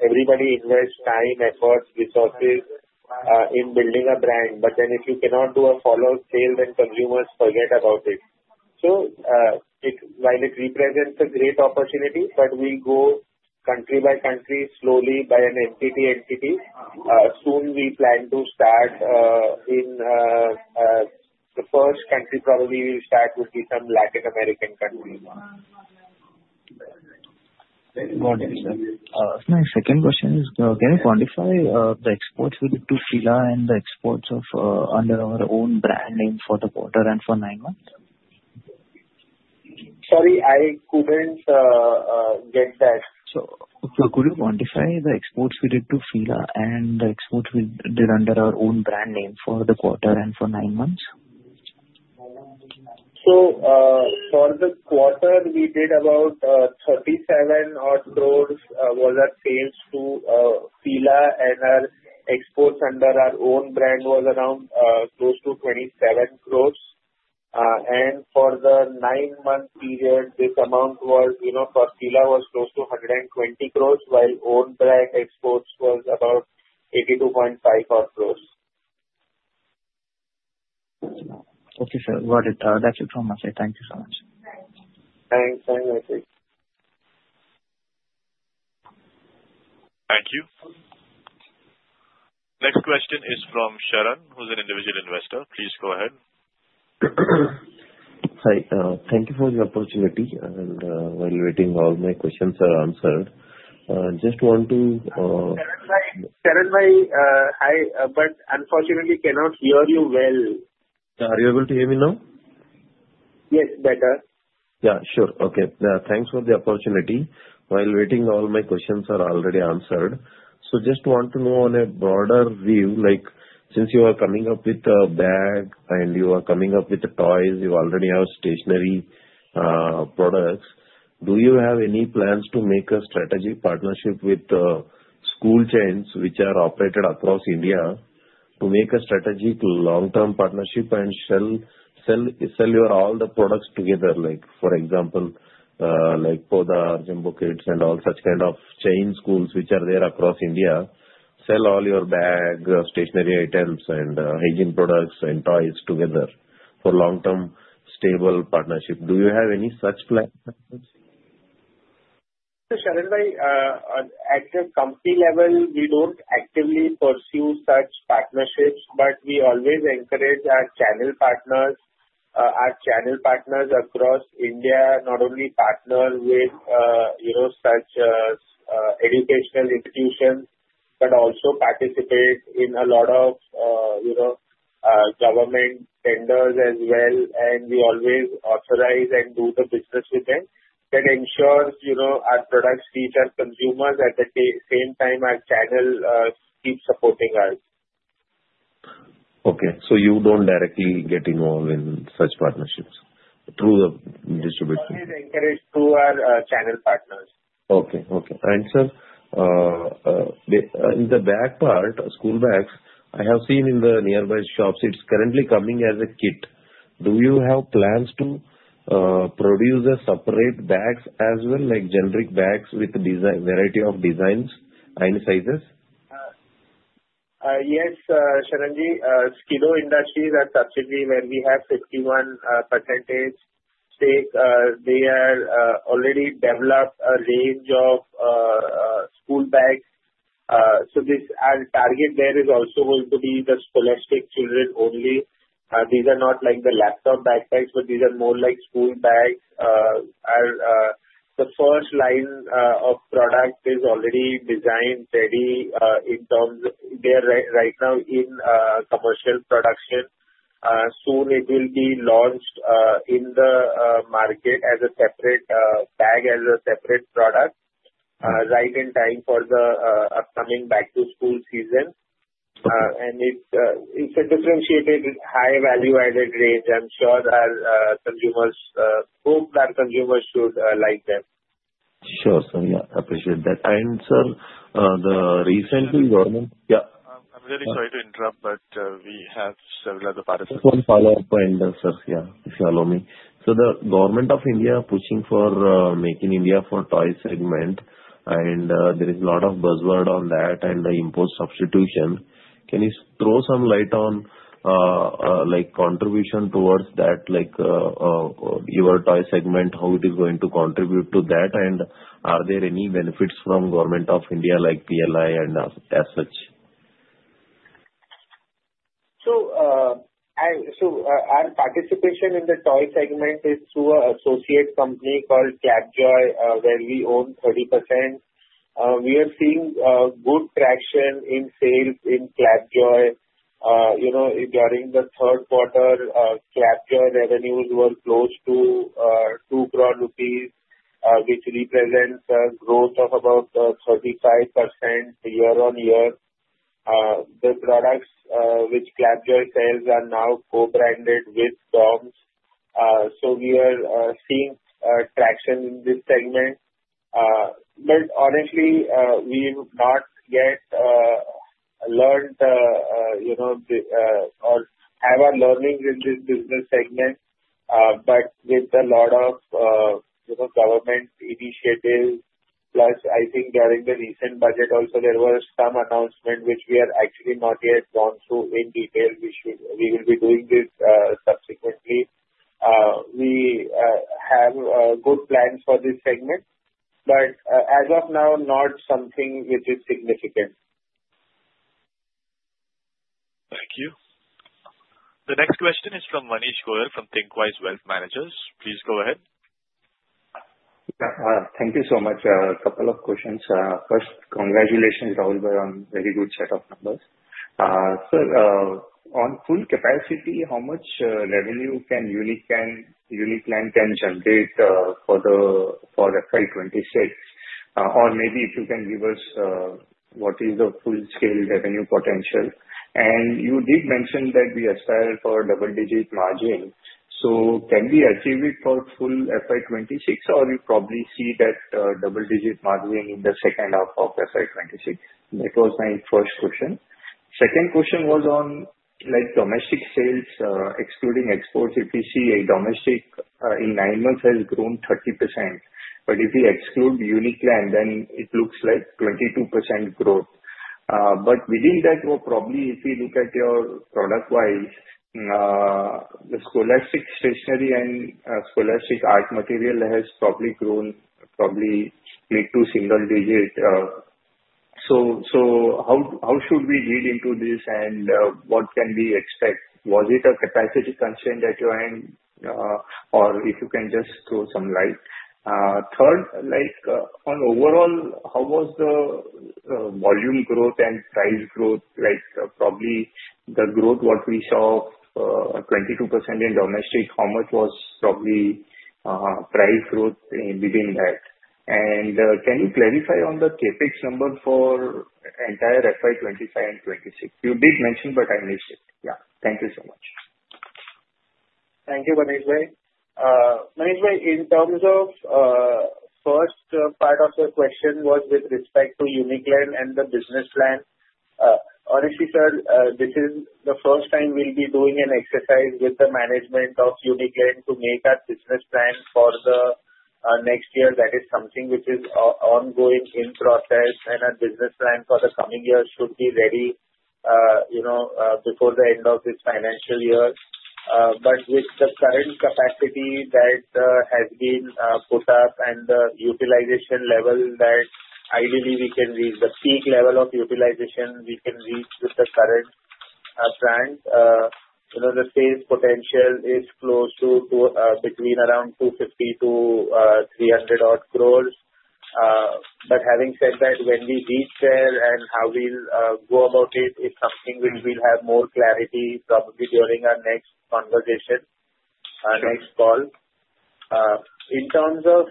Everybody invests time, effort, resources in building a brand. But then if you cannot do a follow-up sale, then consumers forget about it. So while it represents a great opportunity, but we go country by country slowly, entity by entity. Soon we plan to start in the first country, probably we will start would be some Latin American countries. Very good, sir. My second question is, can you quantify the exports we did to FILA and the exports under our own brand name for the quarter and for nine months? Sorry, I couldn't get that. So could you quantify the exports we did to CELA and the exports we did under our own brand name for the quarter and for nine months? For the quarter, we did about 37 crores worth of sales to FILA, and our exports under our own brand was around close to 27 crores. And for the nine-month period, this amount was for FILA was close to 120 crores, while own brand exports was about 82.5 crores. Okay, sir. Got it. That's it from my side. Thank you so much. Thanks. Thank you. Thank you. Next question is from Sharan, who's an individual investor. Please go ahead. Hi. Thank you for the opportunity, and while waiting, all my questions are answered. Just want to. Sharan, hi, but unfortunately cannot hear you well. Are you able to hear me now? Yes, better. Yeah, sure. Okay. Thanks for the opportunity. While waiting, all my questions are already answered. So just want to know on a broader view, since you are coming up with a bag and you are coming up with toys, you already have stationery products. Do you have any plans to make a strategic partnership with school chains which are operated across India to make a strategic long-term partnership and sell your all the products together? For example, like Podar Jumbo Kids, and all such kind of chain schools which are there across India, sell all your bag, stationery items, and hygiene products and toys together for long-term stable partnership. Do you have any such plans? So Sharan, at the company level, we don't actively pursue such partnerships, but we always encourage our channel partners. Our channel partners across India not only partner with such educational institutions, but also participate in a lot of government tenders as well. And we always authorize and do the business with them. That ensures our products reach our consumers at the same time our channel keeps supporting us. Okay. So you don't directly get involved in such partnerships through distribution? We always encourage through our channel partners. Okay. Okay. And sir, in the bag part, school bags, I have seen in the nearby shops, it's currently coming as a kit. Do you have plans to produce separate bags as well, like generic bags with a variety of designs and sizes? Yes, Sharan Ji. Skido Industries are subsidiary where we have 51% stake. They have already developed a range of school bags. So our target there is also going to be the scholastic children only. These are not like the laptop backpacks, but these are more like school bags. The first line of product is already designed ready in terms of they are right now in commercial production. Soon it will be launched in the market as a separate bag, as a separate product, right in time for the upcoming back-to-school season. And it's a differentiated, high-value-added range. I'm sure our consumers hope our consumers should like them. Sure. So yeah, appreciate that. And, sir, the recent government. Yeah. I'm really sorry to interrupt, but we have several other parts. Just one follow-up point, sir. Yeah, if you allow me. So the Government of India is pushing for Make in India for toys segment, and there is a lot of buzz around that and the import substitution. Can you throw some light on contribution towards that, like your toy segment, how it is going to contribute to that? And are there any benefits from Government of India, like PLI and as such? So our participation in the toy segment is through an associate company called Clapjoy, where we own 30%. We are seeing good traction in sales in Clapjoy. During the third quarter, Clapjoy revenues were close to 2 crore rupees, which represents a growth of about 35% year-on-year. The products which Clapjoy sells are now co-branded with DOMS. So we are seeing traction in this segment. But honestly, we have not yet learned or have our learnings in this business segment, but with a lot of government initiatives. Plus, I think during the recent budget also, there was some announcement which we are actually not yet going through in detail. We will be doing this subsequently. We have good plans for this segment, but as of now, not something which is significant. Thank you. The next question is from Manish Goyal from Thinqwise Wealth Managers. Please go ahead. Thank you so much. A couple of questions. First, congratulations, Rahul Shah, on a very good set of numbers. Sir, on full capacity, how much revenue can Uniclan generate for FY 2026? Or maybe if you can give us what is the full-scale revenue potential? And you did mention that we aspire for a double-digit margin. So can we achieve it for full FY 2026, or you probably see that double-digit margin in the second half of FY 2026? That was my first question. Second question was on domestic sales, excluding exports. If you see a domestic in nine months has grown 30%. But if we exclude Uniclan, then it looks like 22% growth. But within that, probably if you look at your product-wise, the Scholastic Stationery and Scholastic Art Materials has probably grown close to single digit. So how should we read into this and what can we expect? Was it a capacity constraint at your end, or if you can just throw some light? Third, on overall, how was the volume growth and price growth? Probably the growth, what we saw, 22% in domestic. How much was probably price growth within that? And can you clarify on the CAPEX number for entire FY 2025 and 2026? You did mention, but I missed it. Yeah. Thank you so much. Thank you, Manish Bhai. Manish Bhai, in terms of first part of the question was with respect to Uniclan and the business plan. Honestly, sir, this is the first time we'll be doing an exercise with the management of Uniclan to make our business plan for the next year. That is something which is ongoing in process, and our business plan for the coming year should be ready before the end of this financial year. But with the current capacity that has been put up and the utilization level that ideally we can reach, the peak level of utilization we can reach with the current plan, the sales potential is close to between around 250 crores-300 crores. But having said that, when we reach there and how we'll go about it is something which we'll have more clarity probably during our next conversation, our next call. In terms of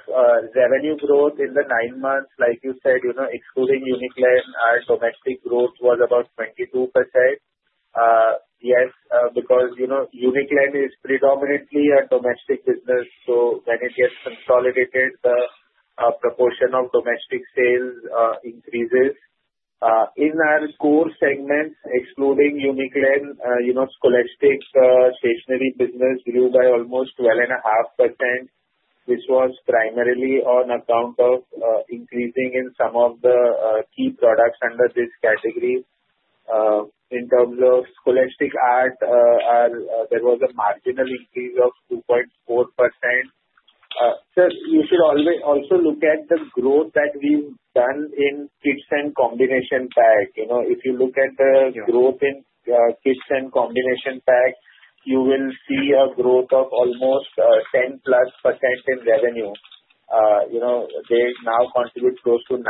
revenue growth in the nine months, like you said, excluding Uniclan, our domestic growth was about 22%. Yes, because Uniclan is predominantly a domestic business. So when it gets consolidated, the proportion of domestic sales increases. In our core segments, excluding Uniclan, Scholastic Stationery business grew by almost 12.5%, which was primarily on account of increasing in some of the key products under this category. In terms of Scholastic Art, there was a marginal increase of 2.4%. Sir, you should also look at the growth that we've done in kits and combo bags. If you look at the growth in kits and combo bags, you will see a growth of almost 10+% in revenue. They now contribute close to 9%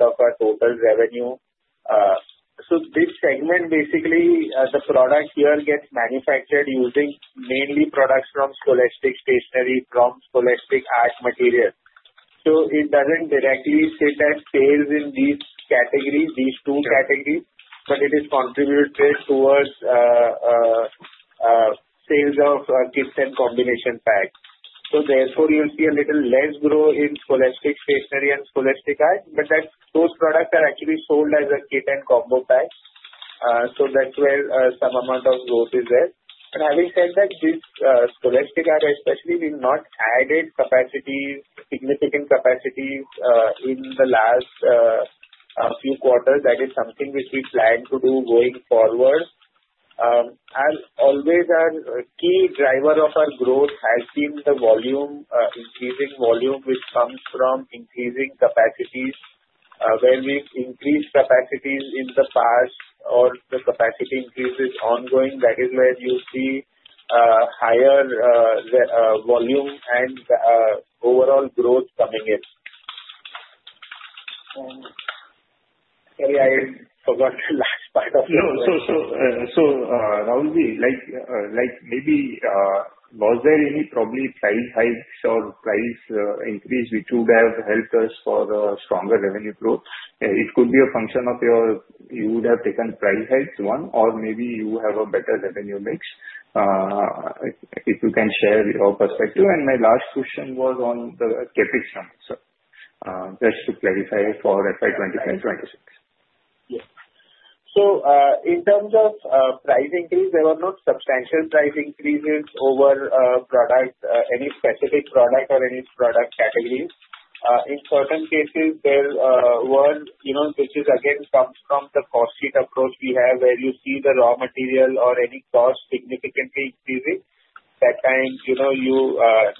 of our total revenue. So this segment, basically, the product here gets manufactured using mainly products from Scholastic Stationery, from Scholastic Art Materials. So it doesn't directly sit as sales in these categories, these two categories, but it is contributed towards sales of kits and combination bags. So therefore, you'll see a little less growth in scholastic stationery and scholastic art, but those products are actually sold as a kit and combo bag. So that's where some amount of growth is there. But having said that, this scholastic art, especially, we've not added significant capacity in the last few quarters. That is something which we plan to do going forward. Always, our key driver of our growth has been the volume, increasing volume, which comes from increasing capacities. When we've increased capacities in the past or the capacity increase is ongoing, that is where you see higher volume and overall growth coming in. Sorry, I forgot the last part of your question. So, Rahul Bhai, maybe was there any probably price hikes or price increase which would have helped us for stronger revenue growth? It could be a function of you would have taken price hikes, one, or maybe you have a better revenue mix. If you can share your perspective. And my last question was on the CAPEX number, sir, just to clarify for FY 2025 and FY 2026. Yes. So in terms of price increase, there were no substantial price increases over any specific product or any product category. In certain cases, there were, which is again comes from the cost sheet approach we have, where you see the raw material or any cost significantly increasing. That time, you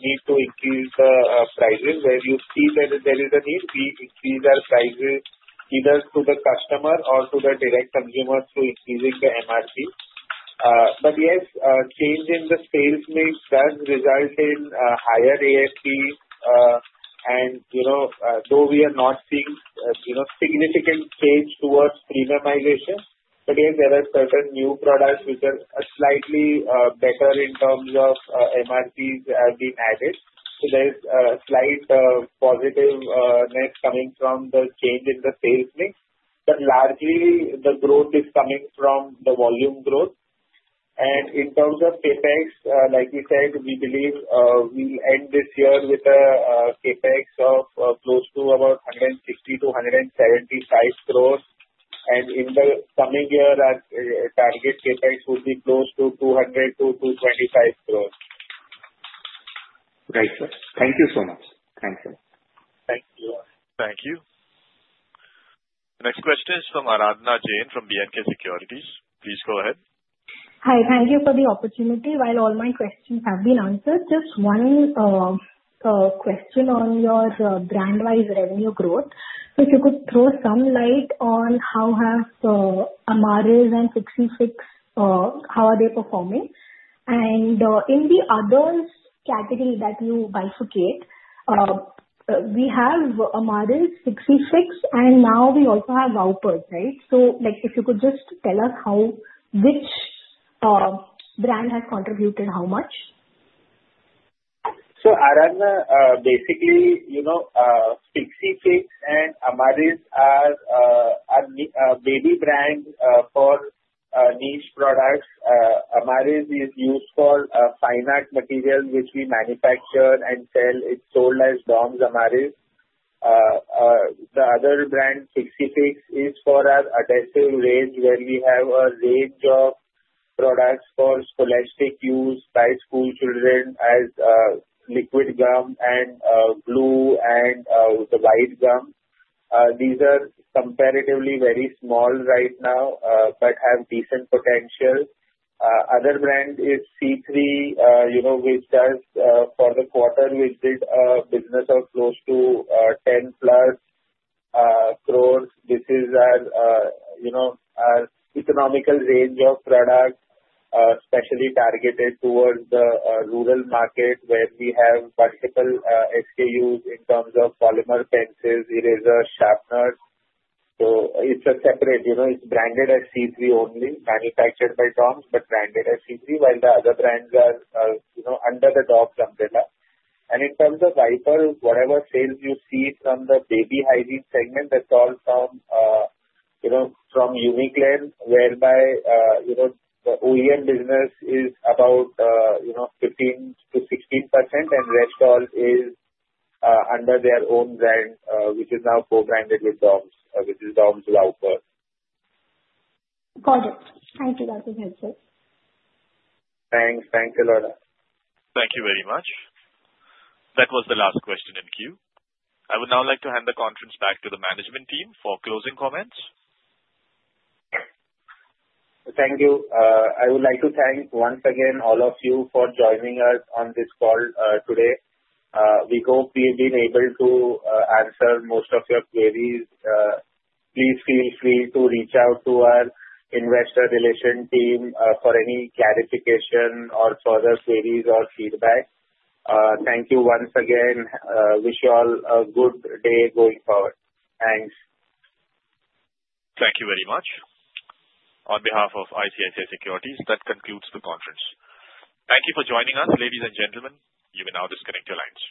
need to increase the prices. When you see that there is a need, we increase our prices either to the customer or to the direct consumers through increasing the MRP. But yes, change in the sales mix does result in higher ASP. And though we are not seeing significant change towards premiumization, but yes, there are certain new products which are slightly better in terms of MRPs have been added. So there's a slight positiveness coming from the change in the sales mix. But largely, the growth is coming from the volume growth. In terms of CAPEX, like we said, we believe we'll end this year with a CAPEX of close to about INR 160crores -175 crores. In the coming year, our target CAPEX would be close to 200 crores-225 crores. Right, sir. Thank you so much. Thanks, sir. Thank you. Thank you. The next question is from Aradhana Jain from B&K Securities. Please go ahead. Hi. Thank you for the opportunity. While all my questions have been answered, just one question on your brand-wise revenue growth. So if you could throw some light on how have Amariz and Fixy Fix, how are they performing? And in the other category that you bifurcate, we have Amariz, Fixy Fix, and now we also have Wowper, right? So if you could just tell us which brand has contributed how much? Aradhana, basically, Fixy Fix and Amariz are baby brands for niche products. Amariz is used for fine art material, which we manufacture and sell. It's sold as DOMS Amariz. The other brand, Fixy Fix, is for our adhesive range, where we have a range of products for scholastic use, by school children, as liquid gum and glue and the white gum. These are comparatively very small right now but have decent potential. Other brand is C3, which does for the quarter, which did a business of close to 10+ crores. This is our economical range of products, especially targeted towards the rural market, where we have multiple SKUs in terms of polymer pencils, erasers, sharpeners. It's a separate, branded as C3 only, manufactured by DOMS, but branded as C3, while the other brands are under the DOMS umbrella. In terms of Wowper, whatever sales you see from the baby hygiene segment, that's all from Uniclan, whereby the OEM business is about 15%-16%, and rest all is under their own brand, which is now co-branded with DOMS, which is DOMS Wowper. Got it. Thank you. That was helpful. Thanks. Thanks a lot. Thank you very much. That was the last question in queue. I would now like to hand the conference back to the management team for closing comments. Thank you. I would like to thank once again all of you for joining us on this call today. We hope we've been able to answer most of your queries. Please feel free to reach out to our investor relations team for any clarification or further queries or feedback. Thank you once again. Wish you all a good day going forward. Thanks. Thank you very much. On behalf of ICICI Securities, that concludes the conference. Thank you for joining us, ladies, and gentlemen. You may now disconnect your lines.